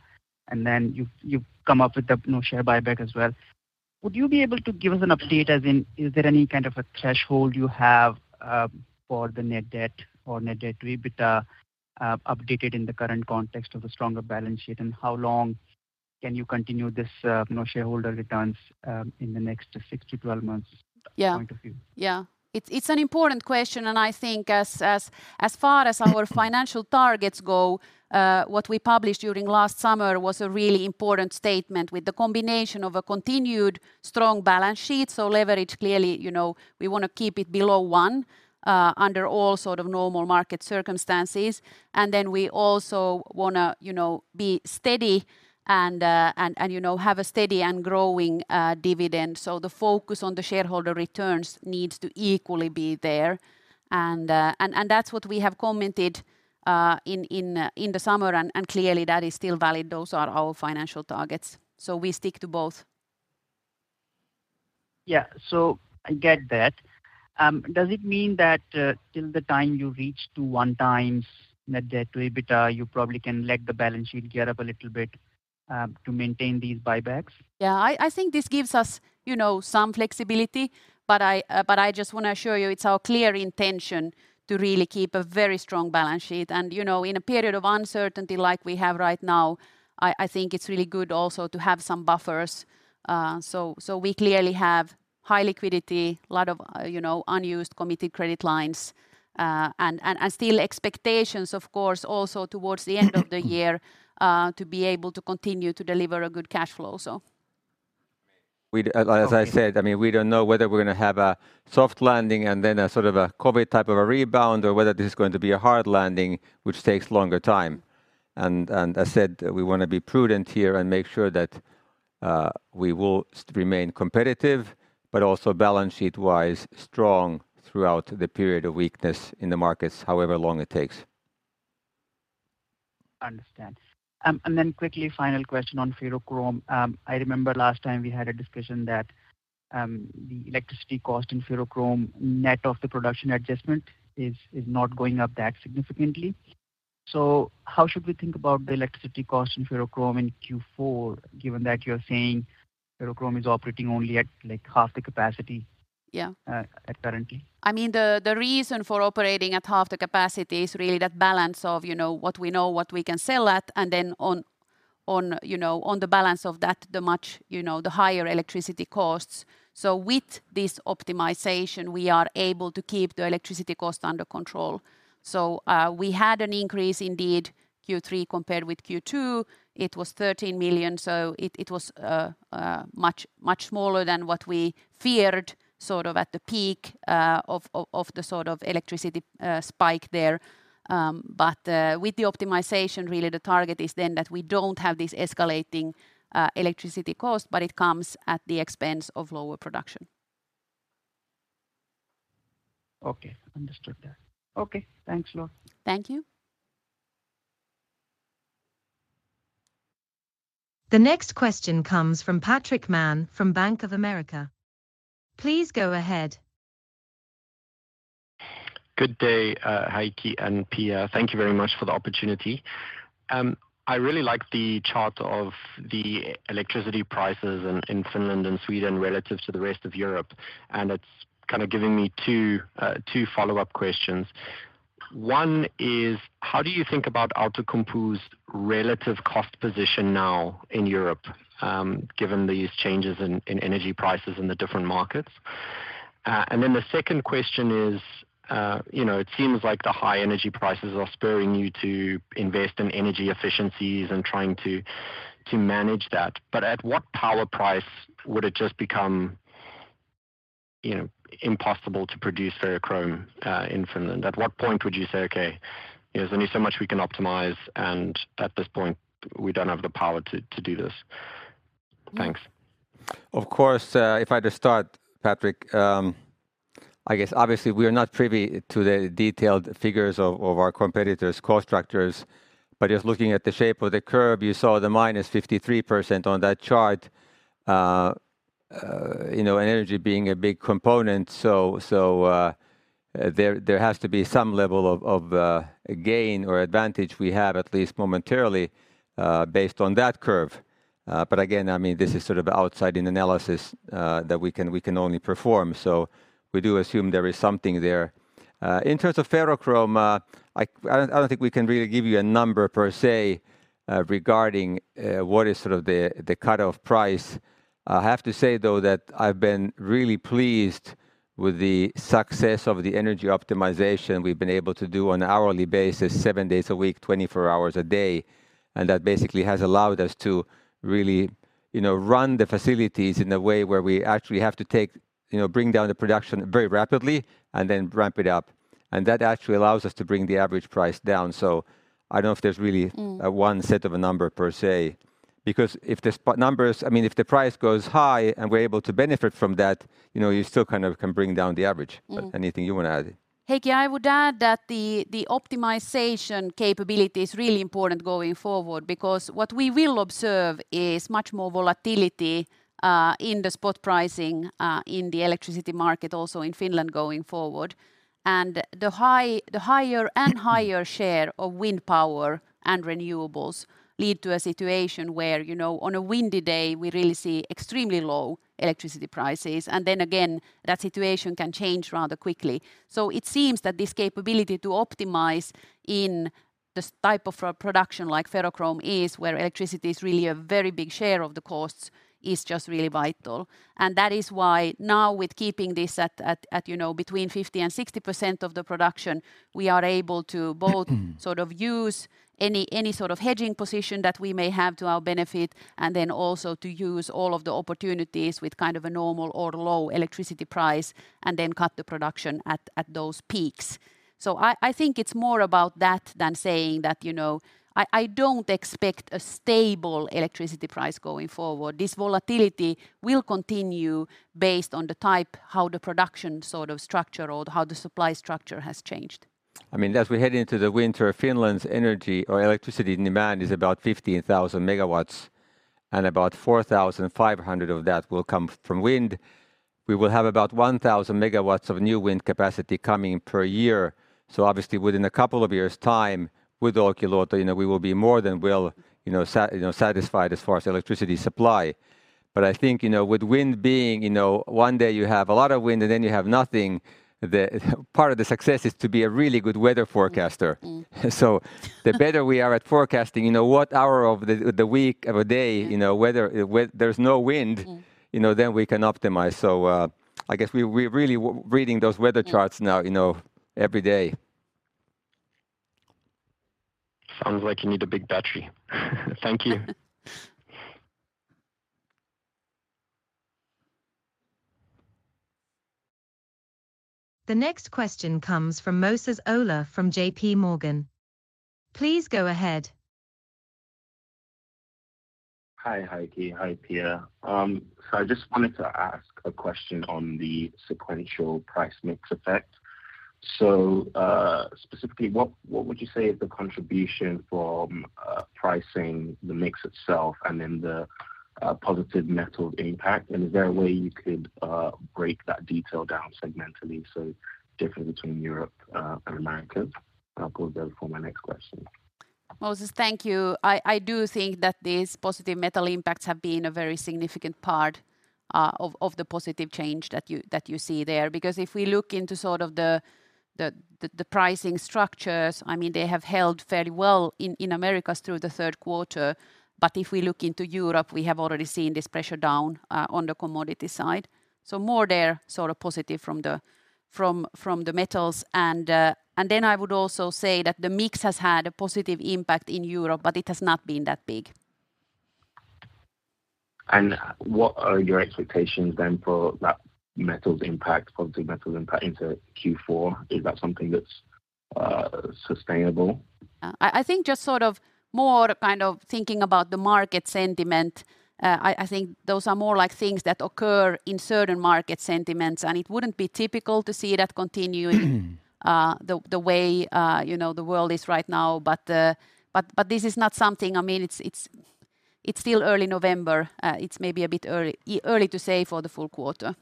Then you've come up with the new share buyback as well. Would you be able to give us an update, as in is there any kind of a threshold you have for the net debt or net debt to EBITDA, updated in the current context of a stronger balance sheet? How long can you continue this, you know, shareholder returns in the next six to 12 months? Yeah point of view? Yeah. It's an important question, and I think as far as our financial targets go, what we published during last summer was a really important statement with the combination of a continued strong balance sheet. Leverage clearly, you know, we wanna keep it below one, under all sort of normal market circumstances. Then we also wanna, you know, be steady and, you know, have a steady and growing dividend. The focus on the shareholder returns needs to equally be there. That's what we have commented in the summer and clearly that is still valid. Those are our financial targets. We stick to both. Yeah. I get that. Does it mean that, till the time you reach 1x net debt to EBITDA, you probably can let the balance sheet gear up a little bit, to maintain these buybacks? Yeah. I think this gives us, you know, some flexibility, but I just wanna assure you it's our clear intention to really keep a very strong balance sheet. You know, in a period of uncertainty like we have right now, I think it's really good also to have some buffers. We clearly have high liquidity, a lot of, you know, unused committed credit lines, and still expectations of course also towards the end of the year to be able to continue to deliver a good cash flow also. As I said, I mean, we don't know whether we're gonna have a soft landing and then a sort of a COVID type of a rebound, or whether this is going to be a hard landing, which takes longer time. I said we wanna be prudent here and make sure that we will remain competitive, but also balance sheet-wise strong throughout the period of weakness in the markets, however long it takes. Understand. Quickly, final question on ferrochrome. I remember last time we had a discussion that the electricity cost in ferrochrome net of the production adjustment is not going up that significantly. How should we think about the electricity cost in ferrochrome in Q4, given that you're saying ferrochrome is operating only at, like, half the capacity- Yeah Currently? I mean, the reason for operating at half the capacity is really that balance of, you know, what we know what we can sell at and then on, you know, on the balance of that, the much higher electricity costs. With this optimization, we are able to keep the electricity cost under control. We had an increase indeed, Q3 compared with Q2. It was 13 million, so it was much smaller than what we feared sort of at the peak of the sort of electricity spike there. With the optimization, really the target is then that we don't have this escalating electricity cost, but it comes at the expense of lower production. Okay. Understood that. Okay. Thanks a lot. Thank you. The next question comes from Patrick Mann from Bank of America. Please go ahead. Good day Heikki and Pia. Thank you very much for the opportunity. I really like the chart of the electricity prices in Finland and Sweden relative to the rest of Europe, and it's kind of giving me two follow-up questions. One is how do you think about Outokumpu's relative cost position now in Europe, given these changes in energy prices in the different markets? And then the second question is you know, it seems like the high energy prices are spurring you to invest in energy efficiencies and trying to manage that. At what power price would it just become you know, impossible to produce ferrochrome in Finland? At what point would you say, "Okay, there's only so much we can optimize, and at this point we don't have the power to do this"? Thanks. Of course, if I just start Patrick I guess obviously we're not privy to the detailed figures of our competitors' cost structures. Just looking at the shape of the curve, you saw the -53% on that chart. You know, and energy being a big component. There has to be some level of gain or advantage we have at least momentarily based on that curve. Again, I mean, this is sort of outside-in analysis that we can only perform. We do assume there is something there. In terms of ferrochrome, I don't think we can really give you a number per se regarding what is sort of the cut-off price. I have to say, though, that I've been really pleased with the success of the energy optimization we've been able to do on an hourly basis, seven days a week, 24 hours a day. That basically has allowed us to really you know, run the facilities in a way where we actually have to take, you know, bring down the production very rapidly and then ramp it up. That actually allows us to bring the average price down. I don't know if there's really. Mm One set of a number per se, because if the price goes high and we're able to benefit from that, you know, you still kind of can bring down the average. Mm. Anything you wanna add? Heikki, I would add that the optimization capability is really important going forward, because what we will observe is much more volatility in the spot pricing in the electricity market also in Finland going forward. The higher and higher share of wind power and renewables lead to a situation where, you know, on a windy day, we really see extremely low electricity prices. Then again, that situation can change rather quickly. It seems that this capability to optimize in this type of a production like ferrochrome is, where electricity is really a very big share of the costs, is just really vital. That is why now with keeping this at, you know, between 50%-60% of the production, we are able to both. sort of use any sort of hedging position that we may have to our benefit, and then also to use all of the opportunities with kind of a normal or low electricity price, and then cut the production at those peaks. I think it's more about that than saying that, you know, I don't expect a stable electricity price going forward. This volatility will continue based on the type, how the production sort of structure or how the supply structure has changed. I mean, as we head into the winter, Finland's energy or electricity demand is about 15,000 MW, and about 4,500 MW of that will come from wind. We will have about 1,000 MW of new wind capacity coming per year. So obviously within a couple of years' time, with Olkiluoto, you know, we will be more than well, you know, satisfied as far as electricity supply. I think, you know, with wind being, you know, one day you have a lot of wind and then you have nothing, the part of the success is to be a really good weather forecaster. Mm. The better we are at forecasting, you know, what hour of the week, of a day. Mm you know, whether there's no wind. Mm You know, then we can optimize. I guess we're really reading those weather charts. Yeah now, you know, every day. Sounds like you need a big battery. Thank you. The next question comes from Moses Ola from J.P. Morgan. Please go ahead. Hi Heikki. Hi Pia. I just wanted to ask a question on the sequential price mix effect. Specifically, what would you say is the contribution from pricing the mix itself and then the positive metal impact? Is there a way you could break that detail down segmentally, so different between Europe and Americas? I'll pause there for my next question. Moses thank you I do think that these positive metal impacts have been a very significant part of the positive change that you see there. Because if we look into sort of the pricing structures, I mean, they have held fairly well in Americas through the third quarter. If we look into Europe, we have already seen this pressure down on the commodity side. More there sort of positive from the metals. Then I would also say that the mix has had a positive impact in Europe, but it has not been that big. What are your expectations then for that metals impact, positive metals impact into Q4? Is that something that's sustainable? I think just sort of more kind of thinking about the market sentiment, I think those are more like things that occur in certain market sentiments, and it wouldn't be typical to see that continuing the way you know the world is right now. This is not something. I mean, it's still early November. It's maybe a bit early to say for the full quarter.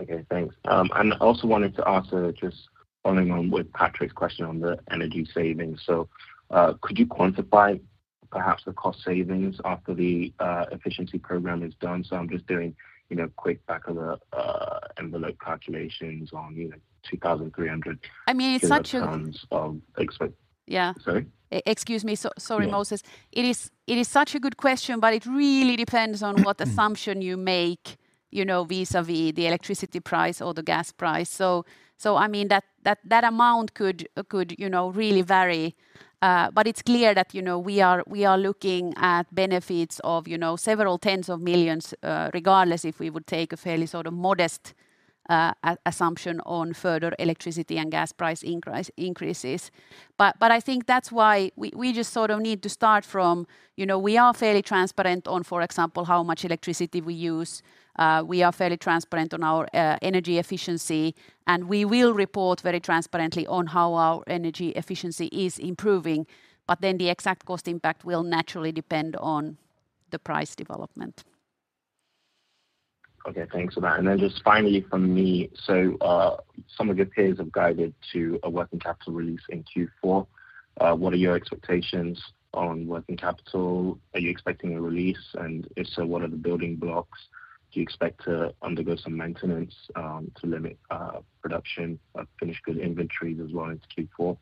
Okay, thanks. I also wanted to ask, just following on with Patrick's question on the energy savings. Could you quantify perhaps the cost savings after the efficiency program is done? I'm just doing, you know, quick back-of-the-envelope calculations on, you know, 2,300- I mean, it's such a. kilowatt hours of expenses. Yeah. Sorry? Excuse me. Yeah Sorry Moses it is such a good question, but it really depends on what assumption you make, you know, vis-à-vis the electricity price or the gas price. I mean, that amount could, you know, really vary. It's clear that, you know, we are looking at benefits of, you know, euro several tens of millions, regardless if we would take a fairly sort of modest assumption on further electricity and gas price increases. I think that's why we just sort of need to start from, you know, we are fairly transparent on, for example, how much electricity we use. We are fairly transparent on our energy efficiency, and we will report very transparently on how our energy efficiency is improving. The exact cost impact will naturally depend on the price development. Okay thanks for that. Just finally from me, some of your peers have guided to a working capital release in Q4. What are your expectations on working capital? Are you expecting a release? And if so, what are the building blocks? Do you expect to undergo some maintenance to limit production of finished good inventories as well into Q4?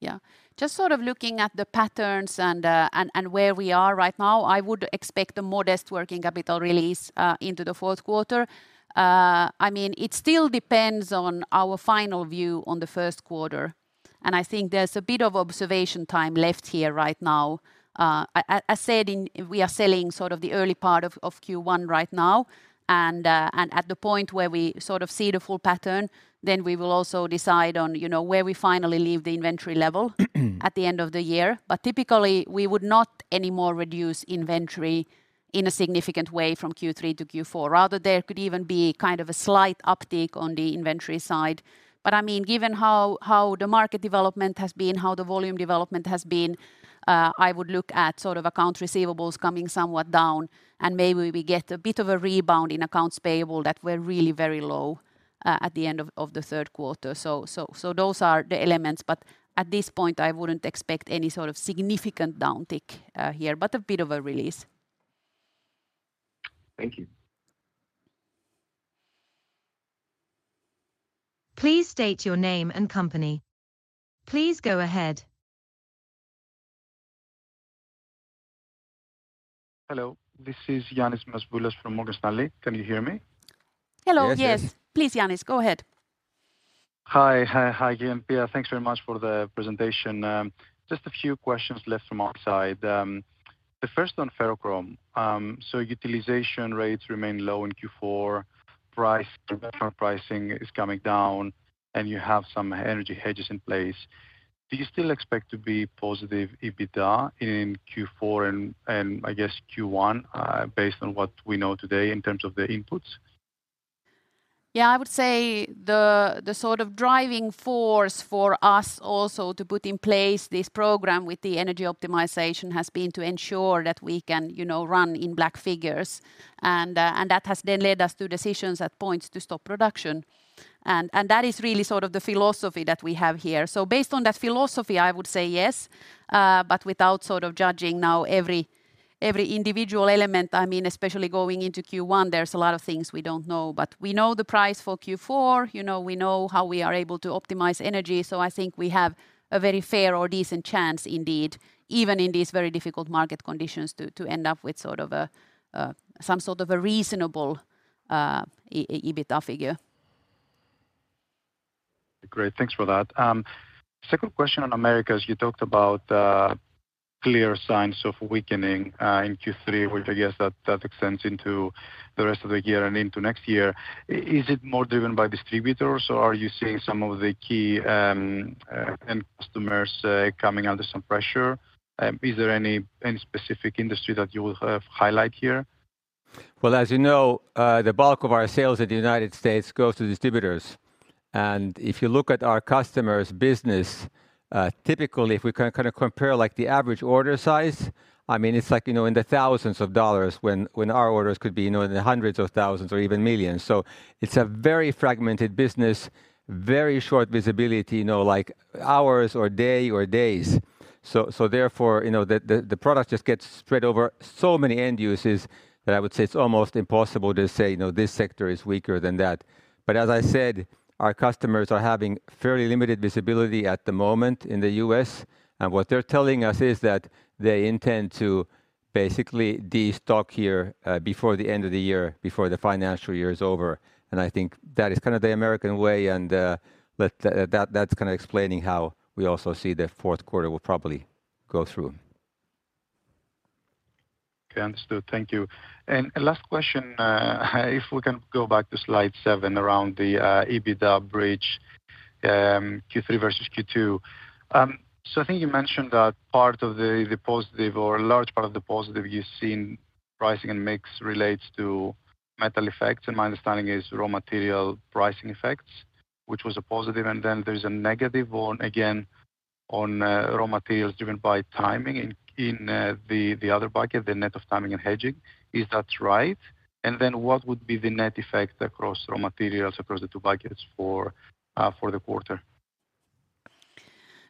Yeah. Just sort of looking at the patterns and where we are right now, I would expect a modest working capital release into the fourth quarter. I mean, it still depends on our final view on the first quarter. I think there's a bit of observation time left here right now. As said, we are selling sort of the early part of Q1 right now, and at the point where we sort of see the full pattern, then we will also decide on, you know, where we finally leave the inventory level at the end of the year. Typically, we would not anymore reduce inventory in a significant way from Q3 to Q4. Rather there could even be kind of a slight uptick on the inventory side. I mean, given how the market development has been, how the volume development has been, I would look at sort of accounts receivable coming somewhat down, and maybe we get a bit of a rebound in accounts payable that were really very low at the end of the third quarter. So those are the elements, but at this point I wouldn't expect any sort of significant downtick here, but a bit of a release. Thank you. Please state your name and company. Please go ahead. Hello, this is Ioannis Masvoulas from Morgan Stanley. Can you hear me? Hello. Yes yes. Yes. Please Ioannis go ahead. Hi Heikki, Pia. Thanks very much for the presentation. Just a few questions left from our side. The first on ferrochrome. Utilization rates remain low in Q4. Ferrochrome pricing is coming down, and you have some energy hedges in place. Do you still expect to be positive EBITDA in Q4 and I guess Q1, based on what we know today in terms of the inputs? Yeah, I would say the sort of driving force for us also to put in place this program with the energy optimization has been to ensure that we can, you know, run in black figures. That has then led us to decisions at points to stop production. That is really sort of the philosophy that we have here. Based on that philosophy, I would say yes, but without sort of judging now every individual element. I mean, especially going into Q1, there's a lot of things we don't know. We know the price for Q4, you know, we know how we are able to optimize energy, so I think we have a very fair or decent chance indeed, even in these very difficult market conditions to end up with sort of a, some sort of a reasonable, EBITDA figure. Great thanks for that second question on Americas, you talked about clear signs of weakening in Q3, which I guess that extends into the rest of the year and into next year. Is it more driven by distributors, or are you seeing some of the key end customers coming under some pressure? Is there any specific industry that you would highlight here? Well, as you know, the bulk of our sales in the United States goes to distributors. If you look at our customers' business, typically, if we can kinda compare, like, the average order size, I mean, it's like, you know, in the $1,000s when our orders could be, you know, in the $100,000s or even millions. It's a very fragmented business, very short visibility, you know, like hours or day or days. Therefore, you know, the product just gets spread over so many end users that I would say it's almost impossible to say, you know, this sector is weaker than that. As I said, our customers are having fairly limited visibility at the moment in the U.S., and what they're telling us is that they intend to basically destock here before the end of the year, before the financial year is over. I think that is kind of the American way and that's kinda explaining how we also see the fourth quarter will probably go through. Okay understood thank you last question, if we can go back to slide seven around the EBITDA bridge, Q3 versus Q2. I think you mentioned that part of the positive or a large part of the positive you've seen pricing and mix relates to metal effects, and my understanding is raw material pricing effects, which was a positive. Then there's a negative, again, on raw materials driven by timing in the other bucket, the net of timing and hedging. Is that right? Then what would be the net effect across raw materials across the two buckets for the quarter?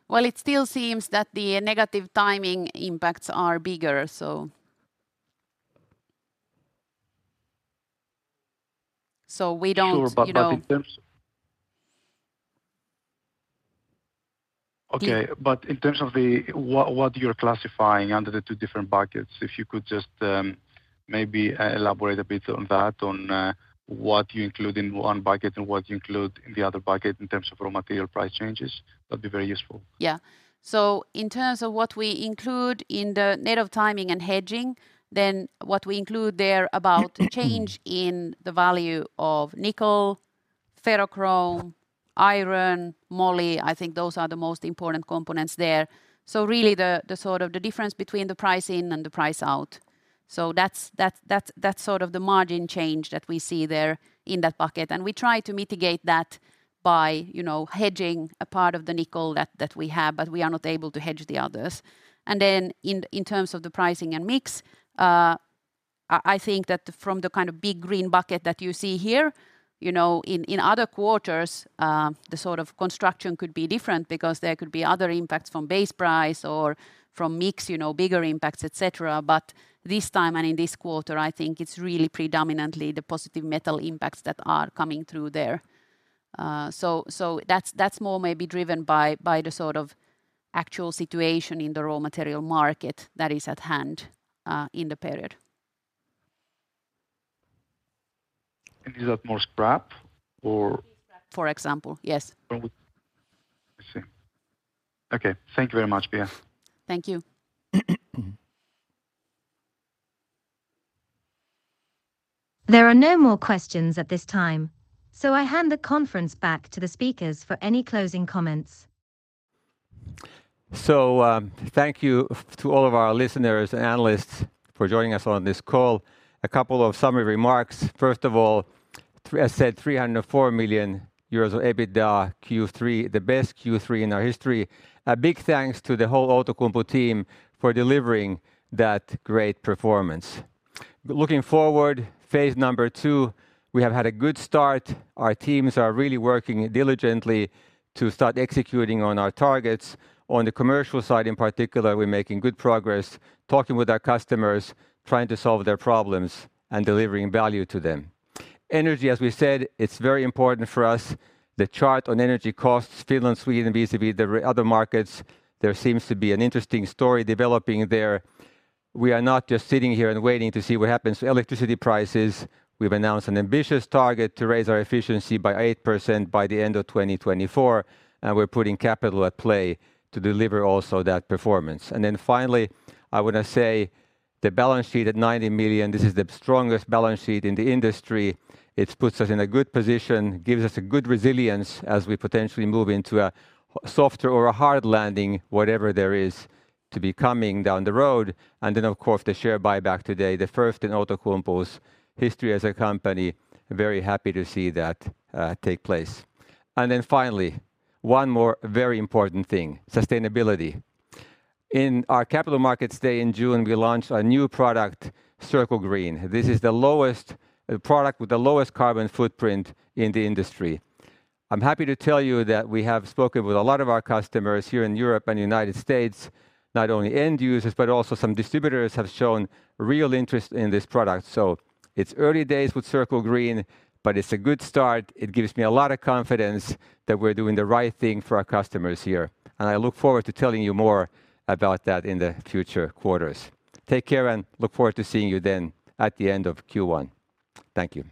Well it still seems that the negative timing impacts are bigger. We don't, you know- Sure in terms Yeah. In terms of the—what you're classifying under the two different buckets, if you could just maybe elaborate a bit on that, on what you include in one bucket and what you include in the other bucket in terms of raw material price changes, that'd be very useful. Yeah. In terms of what we include in the net of timing and hedging, what we include there about change in the value of nickel, ferrochrome, iron, moly, I think those are the most important components there. Really, the sort of difference between the price in and the price out. That's sort of the margin change that we see there in that bucket, and we try to mitigate that by, you know, hedging a part of the nickel that we have, but we are not able to hedge the others. In terms of the pricing and mix, I think that from the kind of big green bucket that you see here, you know, in other quarters, the sort of construction could be different because there could be other impacts from base price or from mix, you know, bigger impacts, et cetera. This time and in this quarter, I think it's really predominantly the positive metal impacts that are coming through there. That's more maybe driven by the sort of actual situation in the raw material market that is at hand, in the period. Is that more scrap or? For example, yes.... I see. Okay. Thank you very much Pia. Thank you. There are no more questions at this time, so I hand the conference back to the speakers for any closing comments. Thank you to all of our listeners and analysts for joining us on this call. A couple of summary remarks. First of all, I said 304 million euros of EBITDA Q3, the best Q3 in our history. A big thanks to the whole Outokumpu team for delivering that great performance. Looking forward, phase number two, we have had a good start. Our teams are really working diligently to start executing on our targets. On the commercial side in particular, we're making good progress talking with our customers, trying to solve their problems, and delivering value to them. Energy, as we said, it's very important for us. The chart on energy costs, Finland, Sweden, Benelux, other markets, there seems to be an interesting story developing there. We are not just sitting here and waiting to see what happens to electricity prices. We've announced an ambitious target to raise our efficiency by 8% by the end of 2024, and we're putting capital at play to deliver also that performance. I wanna say the balance sheet at 90 million, this is the strongest balance sheet in the industry. It puts us in a good position, gives us a good resilience as we potentially move into a softer or a hard landing, whatever there is to be coming down the road. The share buyback today, the first in Outokumpu's history as a company, very happy to see that take place. One more very important thing, sustainability. In our Capital Markets Day in June, we launched a new product, Circle Green. This is a product with the lowest carbon footprint in the industry I'm happy to tell you that we have spoken with a lot of our customers here in Europe and United States, not only end users, but also some distributors have shown real interest in this product. It's early days with Circle Green, but it's a good start. It gives me a lot of confidence that we're doing the right thing for our customers here, and I look forward to telling you more about that in the future quarters. Take care and look forward to seeing you then at the end of Q1. Thank you.